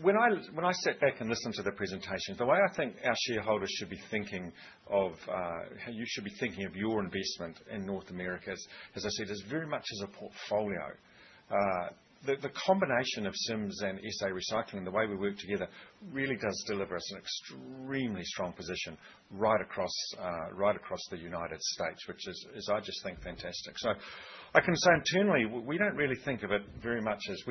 when I sat back and listened to the presentation, the way I think our shareholders should be thinking of how you should be thinking of your investment in North America is, as I said, very much as a portfolio. The combination of Sims and SA Recycling, the way we work together really does deliver us an extremely strong position right across the United States, which is I just think fantastic. I can say internally, we don't really think of it very much as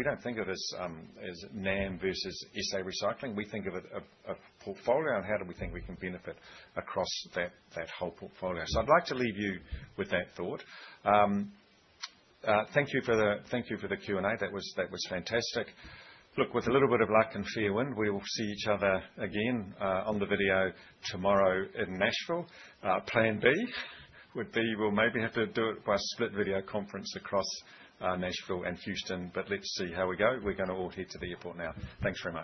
NAM versus SA Recycling. We don't think of it as a portfolio and how do we think we can benefit across that whole portfolio. I'd like to leave you with that thought. Thank you for the Q&A. That was fantastic. Look, with a little bit of luck and fair wind, we will see each other again on the video tomorrow in Nashville. Plan B would be, we'll maybe have to do it by a split video conference across Nashville and Houston, but let's see how we go. We're gonna all head to the airport now. Thanks very much.